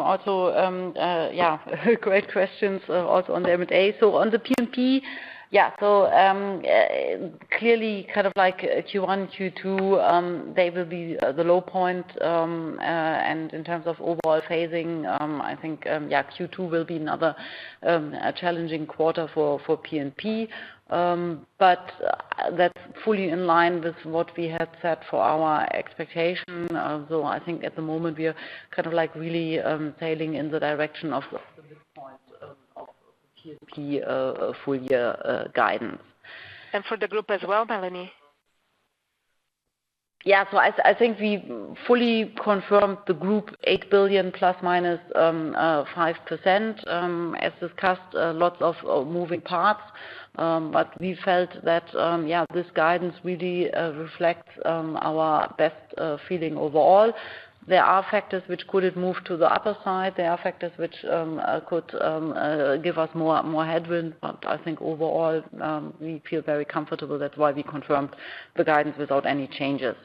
Also, yeah, great questions also on the M&A. On the P&P, yeah, clearly, kind of like Q1, Q2, they will be the low point. In terms of overall phasing, I think, yeah, Q2 will be another challenging quarter for P&P. That's fully in line with what we had set for our expectation. Though I think at the moment, we are kind of like really sailing in the direction of the midpoint of P&P full year guidance. For the group as well, Melanie? I think we fully confirmed the group 8 billion ±5%, as discussed, lots of moving parts. We felt that this guidance really reflects our best feeling overall. There are factors which could have moved to the upper side. There are factors which could give us more headwind. I think overall, we feel very comfortable. That's why we confirmed the guidance without any changes.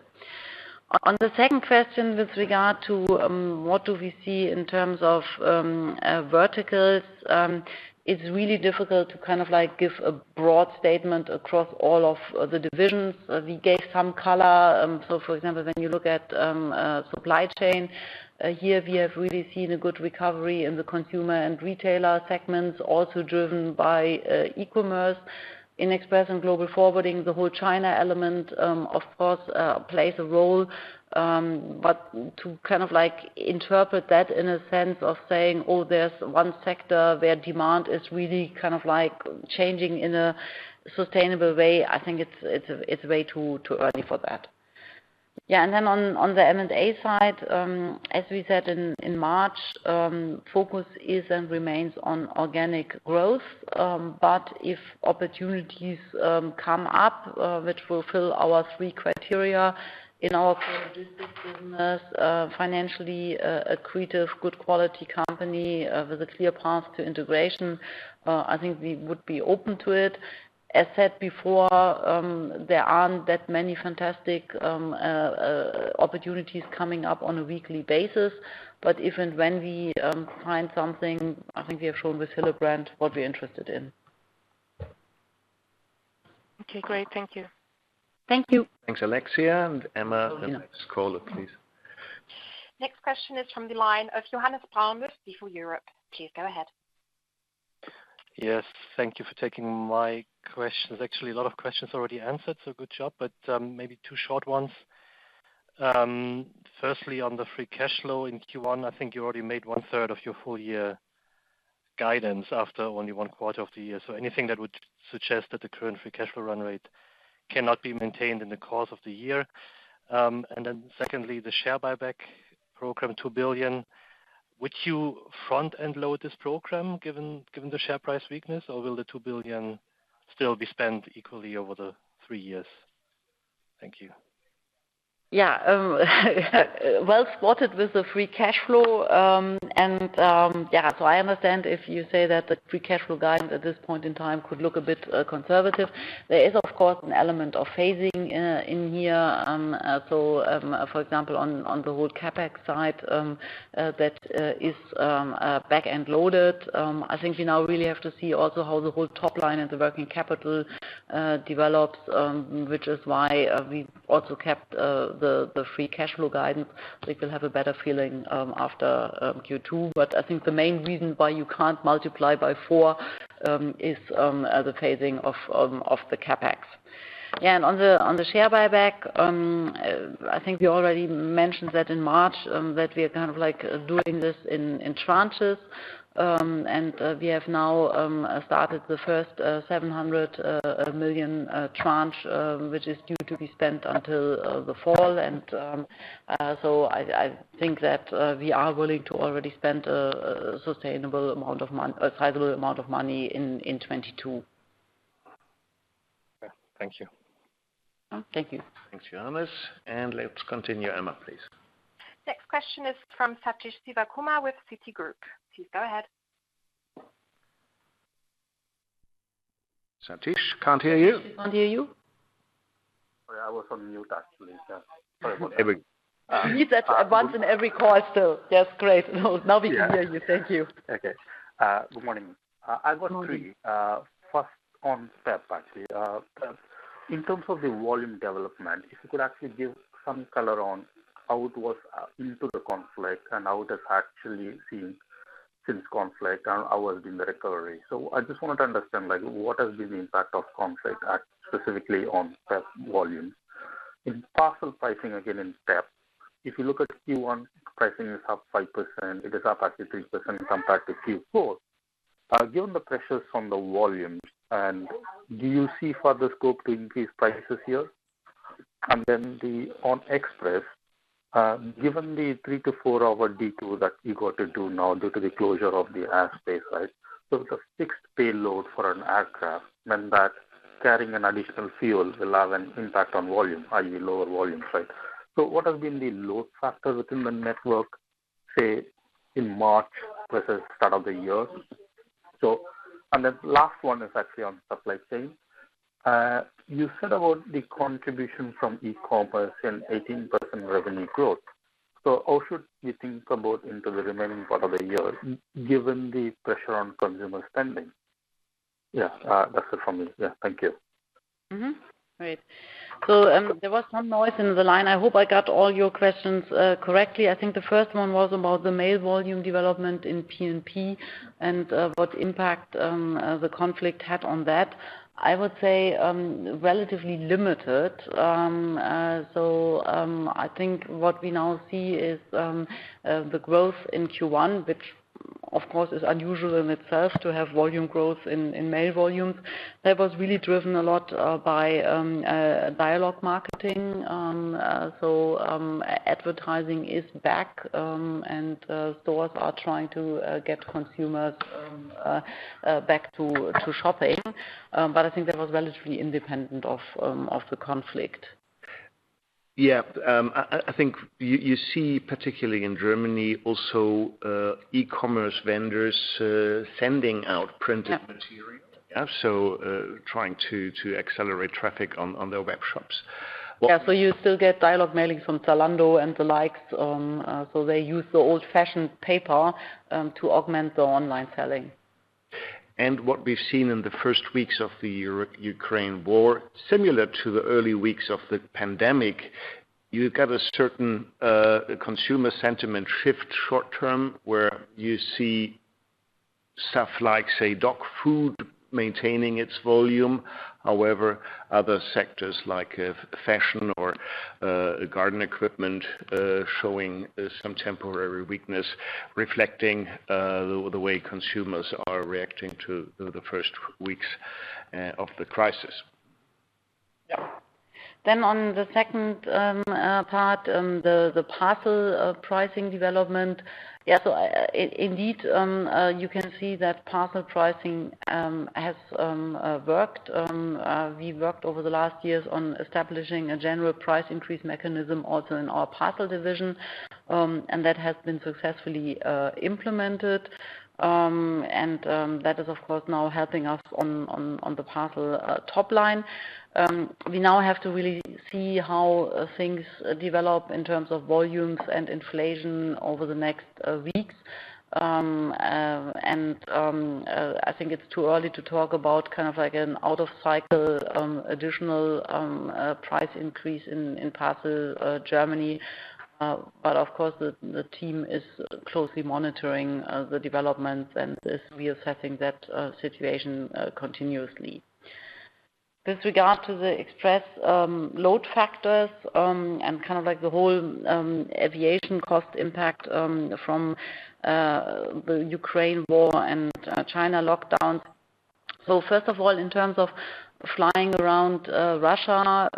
On the second question with regard to what do we see in terms of verticals, it's really difficult to kind of like give a broad statement across all of the divisions. We gave some color. For example, when you look at supply chain, here we have really seen a good recovery in the consumer and retailer segments, also driven by e-commerce. In Express and Global Forwarding, the whole China element, of course, plays a role. To kind of like interpret that in a sense of saying, "Oh, there's one sector where demand is really kind of like changing in a sustainable way," I think it's way too early for that. Yeah. On the M&A side, as we said in March, focus is and remains on organic growth. If opportunities come up, which fulfill our three criteria in our synergistic business, financially accretive, good quality company, with a clear path to integration, I think we would be open to it. As said before, there aren't that many fantastic opportunities coming up on a weekly basis. If and when we find something, I think we have shown with Hillebrand what we're interested in. Okay, great. Thank you. Thank you. Thanks, Alexia. Emma, the next caller, please. Next question is from the line of Johannes Braun from Stifel Europe. Please go ahead. Yes, thank you for taking my questions. Actually, a lot of questions already answered, so good job, but, maybe two short ones. Firstly, on the free cash flow in Q1, I think you already made one-third of your full year guidance after only one quarter of the year. So anything that would suggest that the current free cash flow run rate cannot be maintained in the course of the year? And then secondly, the share buyback program, 2 billion, would you front-end load this program given the share price weakness, or will the 2 billion still be spent equally over the three years? Thank you. Yeah. Well spotted with the free cash flow. I understand if you say that the free cash flow guidance at this point in time could look a bit conservative. There is, of course, an element of phasing in here. For example, on the whole CapEx side, that is back-end loaded. I think we now really have to see also how the whole top line and the working capital develops, which is why we also kept the free cash flow guidance. We will have a better feeling after Q2. I think the main reason why you can't multiply by four is the phasing of the CapEx. Yeah. On the share buyback, I think we already mentioned that in March that we are kind of like doing this in tranches. We have now started the first 700 million tranche, which is due to be spent until the fall. I think that we are willing to already spend a sizable amount of money in 2022. Yeah. Thank you. Thank you. Thanks, Johannes. Let's continue. Emma, please. Next question is from Sathish Sivakumar with Citigroup. Please go ahead. Sathish, can't hear you. We can't hear you. Sorry, I was on mute actually. Yeah. Sorry about that. You said once in every call still. That's great. Now we can hear you. Thank you. Okay. Good morning. I've got three first on DPDHL actually. In terms of the volume development, if you could actually give some color on how it was into the conflict, and how it has actually been since the conflict and how the recovery has been. I just wanted to understand, like, what has been the impact of the conflict specifically on DPDHL volumes. In parcel pricing again in steps, if you look at Q1 pricing is up 5%, it is up actually 3% compared to Q4. Given the pressures from the volumes, do you see further scope to increase prices here? On express, given the three-four-hour detour that you got to do now due to the closure of the airspace, right? It's a fixed payload for an aircraft, and that carrying an additional fuel will have an impact on volume, i.e., lower volumes, right? What has been the load factor within the network, say, in March versus start of the year? The last one is actually on supply chain. You said about the contribution from e-commerce and 18% revenue growth. How should we think about into the remaining part of the year given the pressure on consumer spending? Yeah. That's it from me. Yeah. Thank you. Mm-hmm. Right. There was some noise in the line. I hope I got all your questions correctly. I think the first one was about the mail volume development in P&P and what impact the conflict had on that. I would say relatively limited. I think what we now see is the growth in Q1, which of course is unusual in itself to have volume growth in mail volumes. That was really driven a lot by dialogue marketing. Advertising is back, and stores are trying to get consumers back to shopping. I think that was relatively independent of the conflict. Yeah. I think you see, particularly in Germany also, e-commerce vendors sending out printed material. Also, to accelerate traffic on their web shops. Yeah. You still get catalog mailing from Zalando and the likes, so they use the old-fashioned paper to augment the online selling. What we've seen in the first weeks of the Russia-Ukraine war, similar to the early weeks of the pandemic, you get a certain consumer sentiment shift short-term, where you see stuff like, say, dog food maintaining its volume. However, other sectors like fashion or garden equipment showing some temporary weakness reflecting the way consumers are reacting to the first weeks of the crisis. Yeah. On the second part, on the parcel pricing development. Yeah. Indeed, you can see that parcel pricing has worked. We worked over the last years on establishing a general price increase mechanism also in our parcel division, and that has been successfully implemented. That is, of course, now helping us on the parcel top line. We now have to really see how things develop in terms of volumes and inflation over the next weeks. I think it's too early to talk about kind of like an out-of-cycle additional price increase in parcel Germany. Of course, the team is closely monitoring the developments and is reassessing that situation continuously. With regard to the express load factors and kind of like the whole aviation cost impact from the Ukraine war and China lockdown. First of all, in terms of flying around Russia,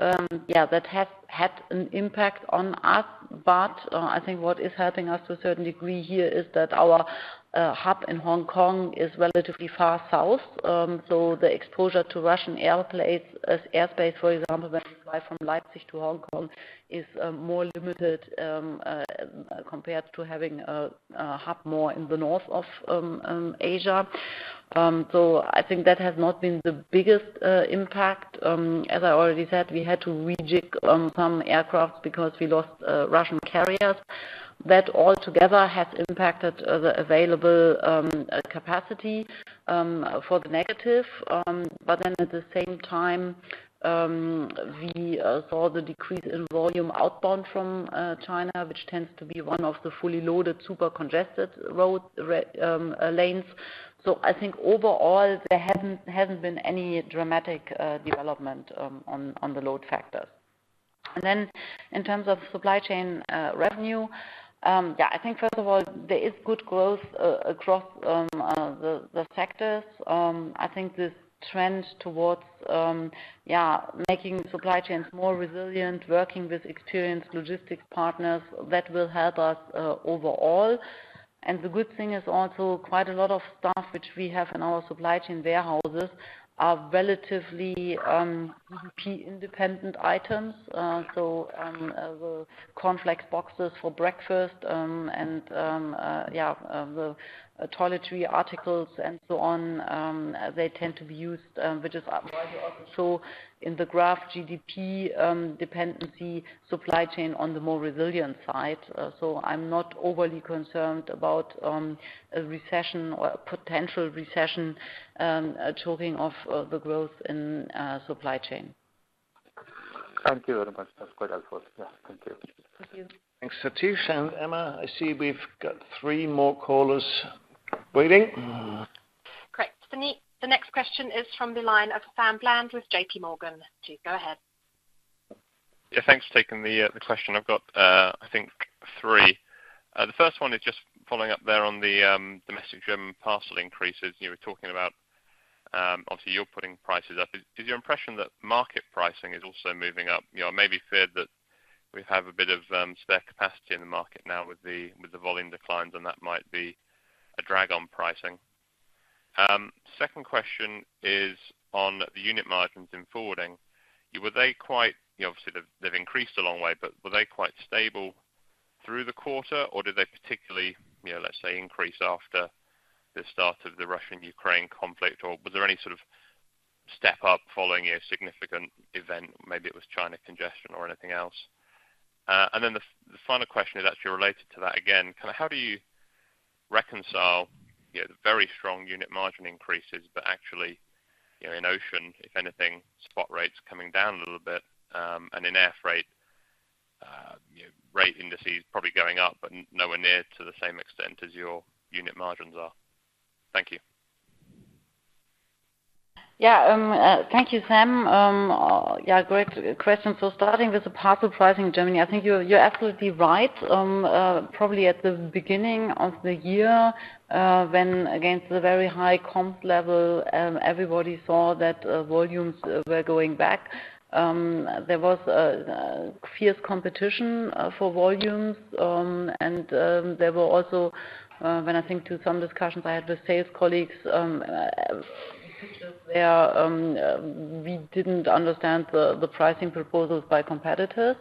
yeah, that has had an impact on us. I think what is helping us to a certain degree here is that our hub in Hong Kong is relatively far south. The exposure to Russian airspace, for example, when you fly from Leipzig to Hong Kong, is more limited compared to having a hub more in the north of Asia. I think that has not been the biggest impact. As I already said, we had to rejig some aircraft because we lost Russian carriers. That altogether has impacted the available capacity for the negative. At the same time, we saw the decrease in volume outbound from China, which tends to be one of the fully loaded, super congested routes. I think overall, there hasn't been any dramatic development on the load factors. In terms of supply chain revenue, I think first of all, there is good growth across the sectors. I think this trend towards making supply chains more resilient, working with experienced logistics partners, that will help us overall. The good thing is also quite a lot of stuff which we have in our supply chain warehouses are relatively GDP-independent items. The cornflakes boxes for breakfast and the toiletry articles and so on, they tend to be used, which is also in the graph GDP dependency supply chain on the more resilient side. I'm not overly concerned about a recession or a potential recession choking off the growth in supply chain. Thank you very much. That's quite helpful. Yeah. Thank you. Thank you. Thanks, Sathish and Emma. I see we've got three more callers waiting. Great. The next question is from the line of Sam Bland with JPMorgan. Please go ahead. Yeah, thanks for taking the question. I've got, I think three. The first one is just following up there on the domestic German parcel increases you were talking about, obviously you're putting prices up. Is your impression that market pricing is also moving up? You know, it may be feared that we have a bit of spare capacity in the market now with the volume declines, and that might be a drag on pricing. Second question is on the unit margins in forwarding. Were they quite stable through the quarter, or did they particularly, you know, let's say, increase after the start of the Russia-Ukraine conflict? Or was there any step up following a significant event? Maybe it was China congestion or anything else. The final question is actually related to that again. Kinda how do you reconcile, you know, the very strong unit margin increases, but actually, you know, in ocean, if anything, spot rates coming down a little bit, and in air freight, you know, rate indices probably going up, but nowhere near to the same extent as your unit margins are. Thank you. Yeah. Thank you, Sam. Yeah, great question. Starting with the parcel pricing in Germany, I think you're absolutely right. Probably at the beginning of the year, when against the very high comp level, everybody saw that volumes were going back. There was fierce competition for volumes. There were also, when I think to some discussions I had with sales colleagues, we didn't understand the pricing proposals by competitors.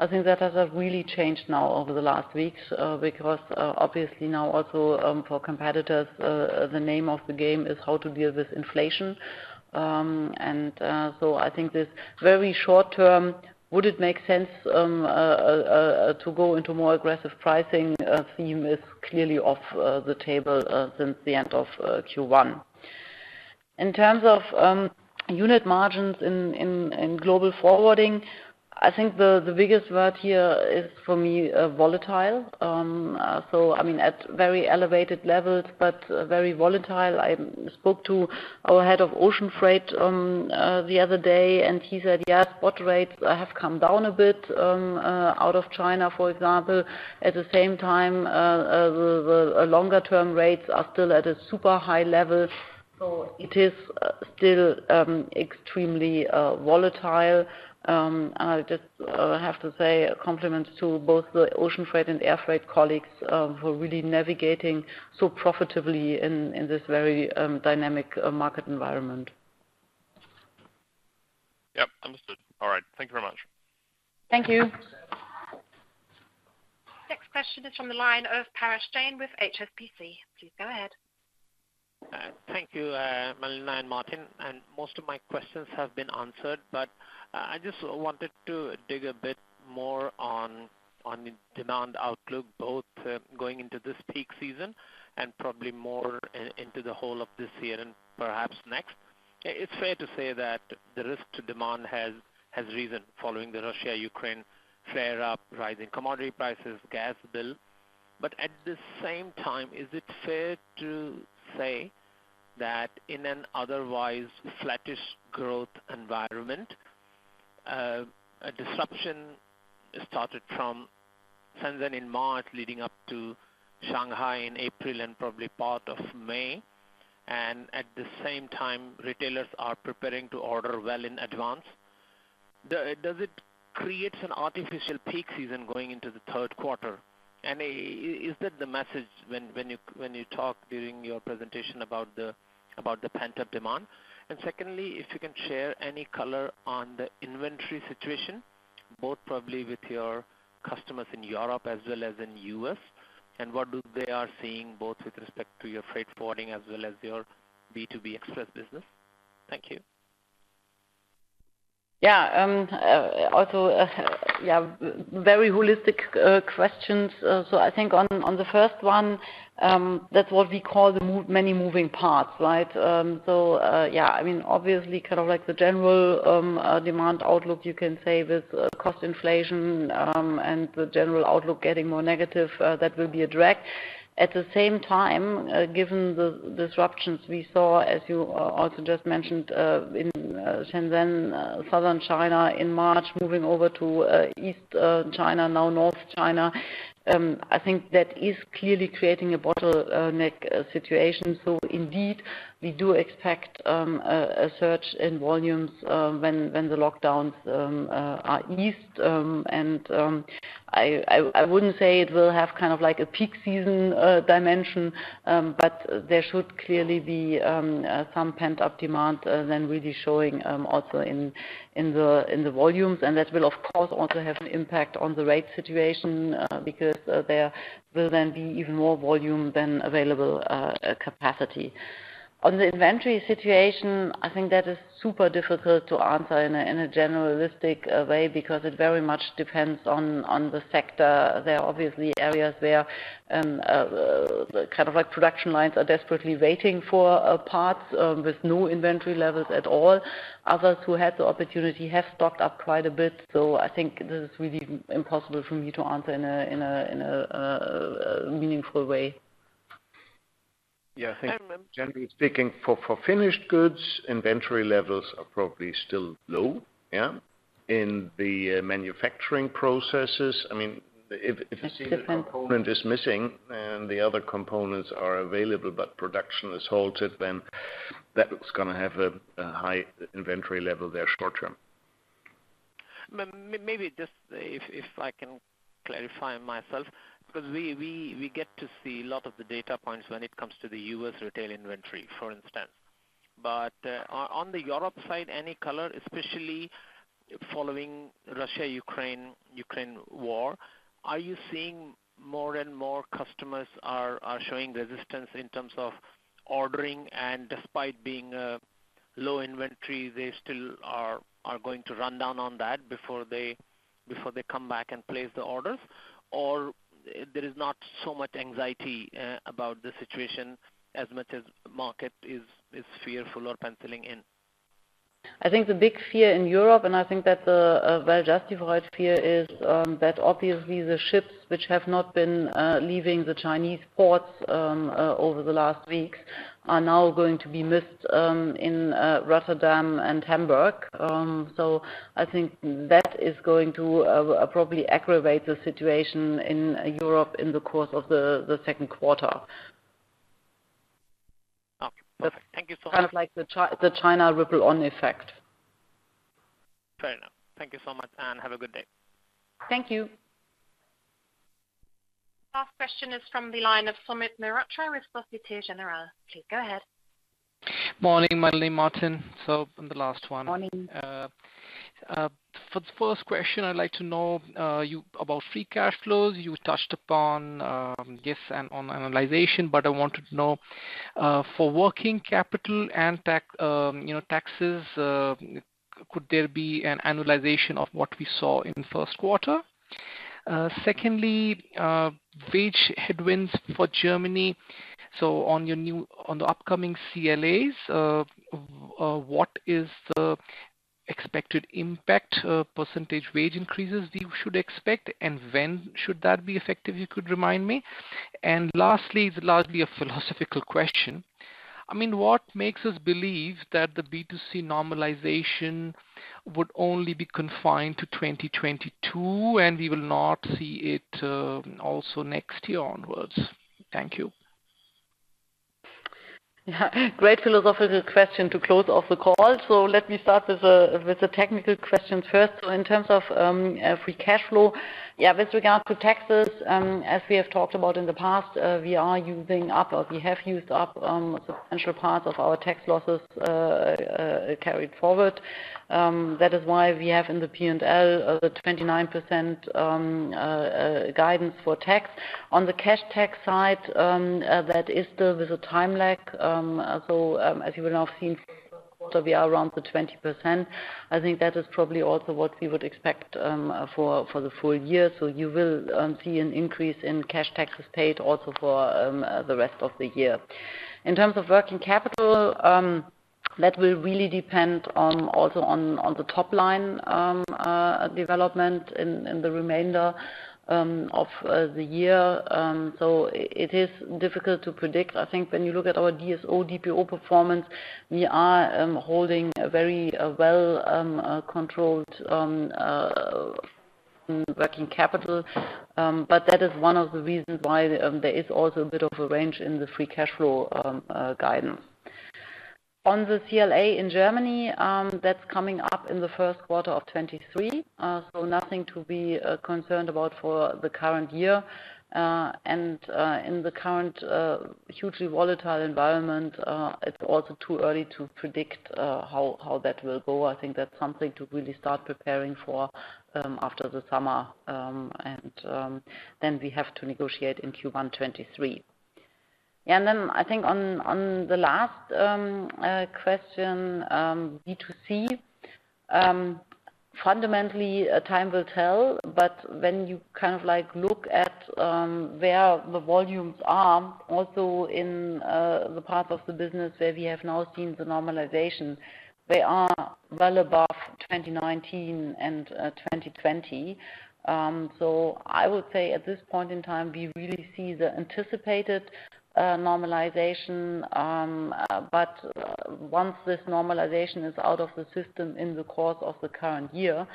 I think that has really changed now over the last weeks, because obviously now also for competitors, the name of the game is how to deal with inflation. I think this very short term, would it make sense to go into more aggressive pricing? The theme is clearly off the table since the end of Q1. In terms of unit margins in Global Forwarding, I think the biggest word here is for me, volatile. I mean, at very elevated levels, but very volatile. I spoke to our head of Ocean Freight the other day, and he said, yes, spot rates have come down a bit out of China, for example. At the same time, the longer-term rates are still at a super high level, so it is still extremely volatile. I just have to say compliments to both the ocean freight and air freight colleagues for really navigating so profitably in this very dynamic market environment. Yep, understood. All right. Thank you very much. Thank you. Next question is from the line of Parash Jain with HSBC. Please go ahead. Thank you, Melanie and Martin, and most of my questions have been answered. I just wanted to dig a bit more on the demand outlook, both going into this peak season and probably more into the whole of this year and perhaps next. It's fair to say that the risk to demand has risen following the Russia-Ukraine flare up, rising commodity prices, gas bill. At the same time, is it fair to say that in an otherwise flattish growth environment, a disruption started from Shenzhen in March leading up to Shanghai in April and probably part of May, and at the same time, retailers are preparing to order well in advance. Does it create an artificial peak season going into the third quarter? Is that the message when you talk during your presentation about the pent-up demand? Secondly, if you can share any color on the inventory situation, both probably with your customers in Europe as well as in the U.S., and what they are seeing both with respect to your freight forwarding as well as your B2B express business? Thank you. Yeah. Also, yeah, very holistic questions. I think on the first one, that's what we call many moving parts, right? Yeah, I mean, obviously kind of like the general demand outlook, you can say with cost inflation, and the general outlook getting more negative, that will be a drag. At the same time, given the disruptions we saw, as you also just mentioned, in Shenzhen, Southern China in March, moving over to East China, now North China, I think that is clearly creating a bottleneck situation. Indeed, we do expect a surge in volumes when the lockdowns are eased. I wouldn't say it will have kind of like a peak season dimension, but there should clearly be some pent-up demand then really showing also in the volumes. That will, of course, also have an impact on the rate situation because there will then be even more volume than available capacity. On the inventory situation, I think that is super difficult to answer in a general way because it very much depends on the sector. There are obviously areas where kind of like production lines are desperately waiting for parts with no inventory levels at all. Others who had the opportunity have stocked up quite a bit. I think this is really impossible for me to answer in a meaningful way. Yeah. I think generally speaking, for finished goods, inventory levels are probably still low, yeah. In the manufacturing processes, I mean, if you see. It depends. A component is missing and the other components are available but production is halted, then that's gonna have a high inventory level there short-term. Maybe just if I can clarify myself, 'cause we get to see a lot of the data points when it comes to the U.S. retail inventory, for instance. On the Europe side, any color, especially following Russia/Ukraine war, are you seeing more and more customers are showing resistance in terms of ordering? Despite being a low inventory, they still are going to run down on that before they come back and place the orders? There is not so much anxiety about the situation as much as market is fearful or penciling in? I think the big fear in Europe, and I think that a well-justified fear is that obviously the ships which have not been leaving the Chinese ports over the last weeks are now going to be missed in Rotterdam and Hamburg. So I think that is going to probably aggravate the situation in Europe in the course of the second quarter. Okay. Thank you so much. Kind of like the China ripple effect. Fair enough. Thank you so much, and have a good day. Thank you. Last question is from the line of Sumit Mehrotra with Société Générale. Please go ahead. Morning, Melanie, Martin. I'm the last one. Morning. For the first question, I'd like to know about free cash flows. You touched upon gifts on annualization, but I wanted to know for working capital and tax, you know, taxes, could there be an annualization of what we saw in first quarter? Secondly, wage headwinds for Germany. On the upcoming CLAs, what is the expected impact, percentage wage increases we should expect, and when should that be effective, you could remind me? Lastly, it's largely a philosophical question. I mean, what makes us believe that the B2C normalization would only be confined to 2022, and we will not see it also next year onwards? Thank you. Yeah. Great philosophical question to close off the call. Let me start with the technical questions first. In terms of free cash flow, yeah, with regards to taxes, as we have talked about in the past, we are using up or we have used up a substantial part of our tax losses carried forward. That is why we have in the P&L the 29% guidance for tax. On the cash tax side, that is still with a time lag. As you will now see for the first quarter, we are around the 20%. I think that is probably also what we would expect for the full year. You will see an increase in cash taxes paid also for the rest of the year. In terms of working capital, that will really depend on also on the top line development in the remainder of the year. It is difficult to predict. I think when you look at our DSO, DPO performance, we are holding a very well controlled working capital. That is one of the reasons why there is also a bit of a range in the free cash flow guidance. On the CLA in Germany, that's coming up in the first quarter of 2023. Nothing to be concerned about for the current year. In the current hugely volatile environment, it's also too early to predict how that will go. I think that's something to really start preparing for after the summer. Then we have to negotiate in Q1 2023. Then I think on the last question, B2C, fundamentally, time will tell. When you kind of like look at where the volumes are also in the part of the business where we have now seen the normalization, they are well above 2019 and 2020. I would say at this point in time, we really see the anticipated normalization. Once this normalization is out of the system in the course of the current year,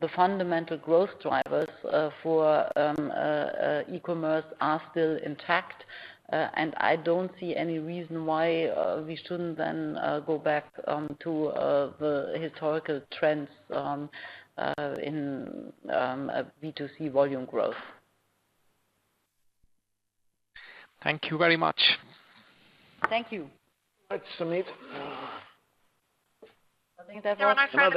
the fundamental growth drivers for e-commerce are still intact. I don't see any reason why we shouldn't then go back to the historical trends in B2C volume growth. Thank you very much. Thank you. Thanks, Sumit. There are no further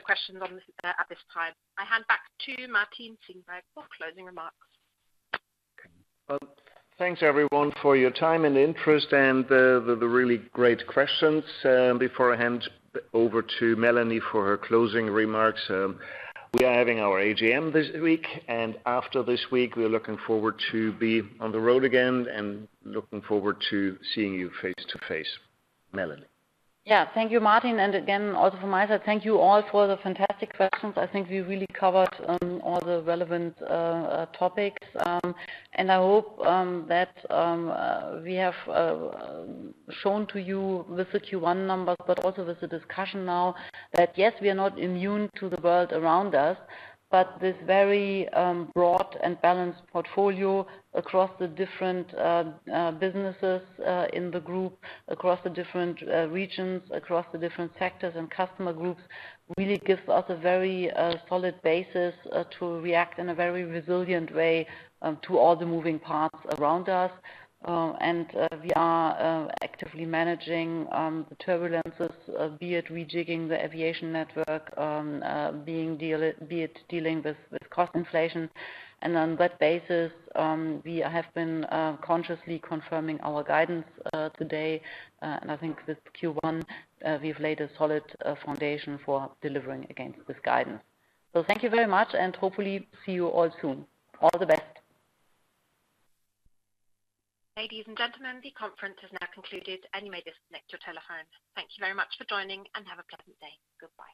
questions on this at this time. I hand back to Martin Ziegenbalg for closing remarks. Well, thanks everyone for your time and interest and the really great questions. Before I hand over to Melanie for her closing remarks, we are having our AGM this week, and after this week, we're looking forward to be on the road again and looking forward to seeing you face to face. Melanie. Yeah. Thank you, Martin. Again, also from my side, thank you all for the fantastic questions. I think we really covered all the relevant topics. I hope that we have shown to you with the Q1 numbers, but also with the discussion now that yes, we are not immune to the world around us, but this very broad and balanced portfolio across the different businesses in the group, across the different regions, across the different sectors and customer groups, really gives us a very solid basis to react in a very resilient way to all the moving parts around us. We are actively managing the turbulences, be it rejigging the aviation network, be it dealing with cost inflation. On that basis, we have been consciously confirming our guidance today. I think with Q1, we've laid a solid foundation for delivering against this guidance. Thank you very much, and hopefully see you all soon. All the best. Ladies and gentlemen, the conference has now concluded, and you may disconnect your telephone. Thank you very much for joining, and have a pleasant day. Goodbye.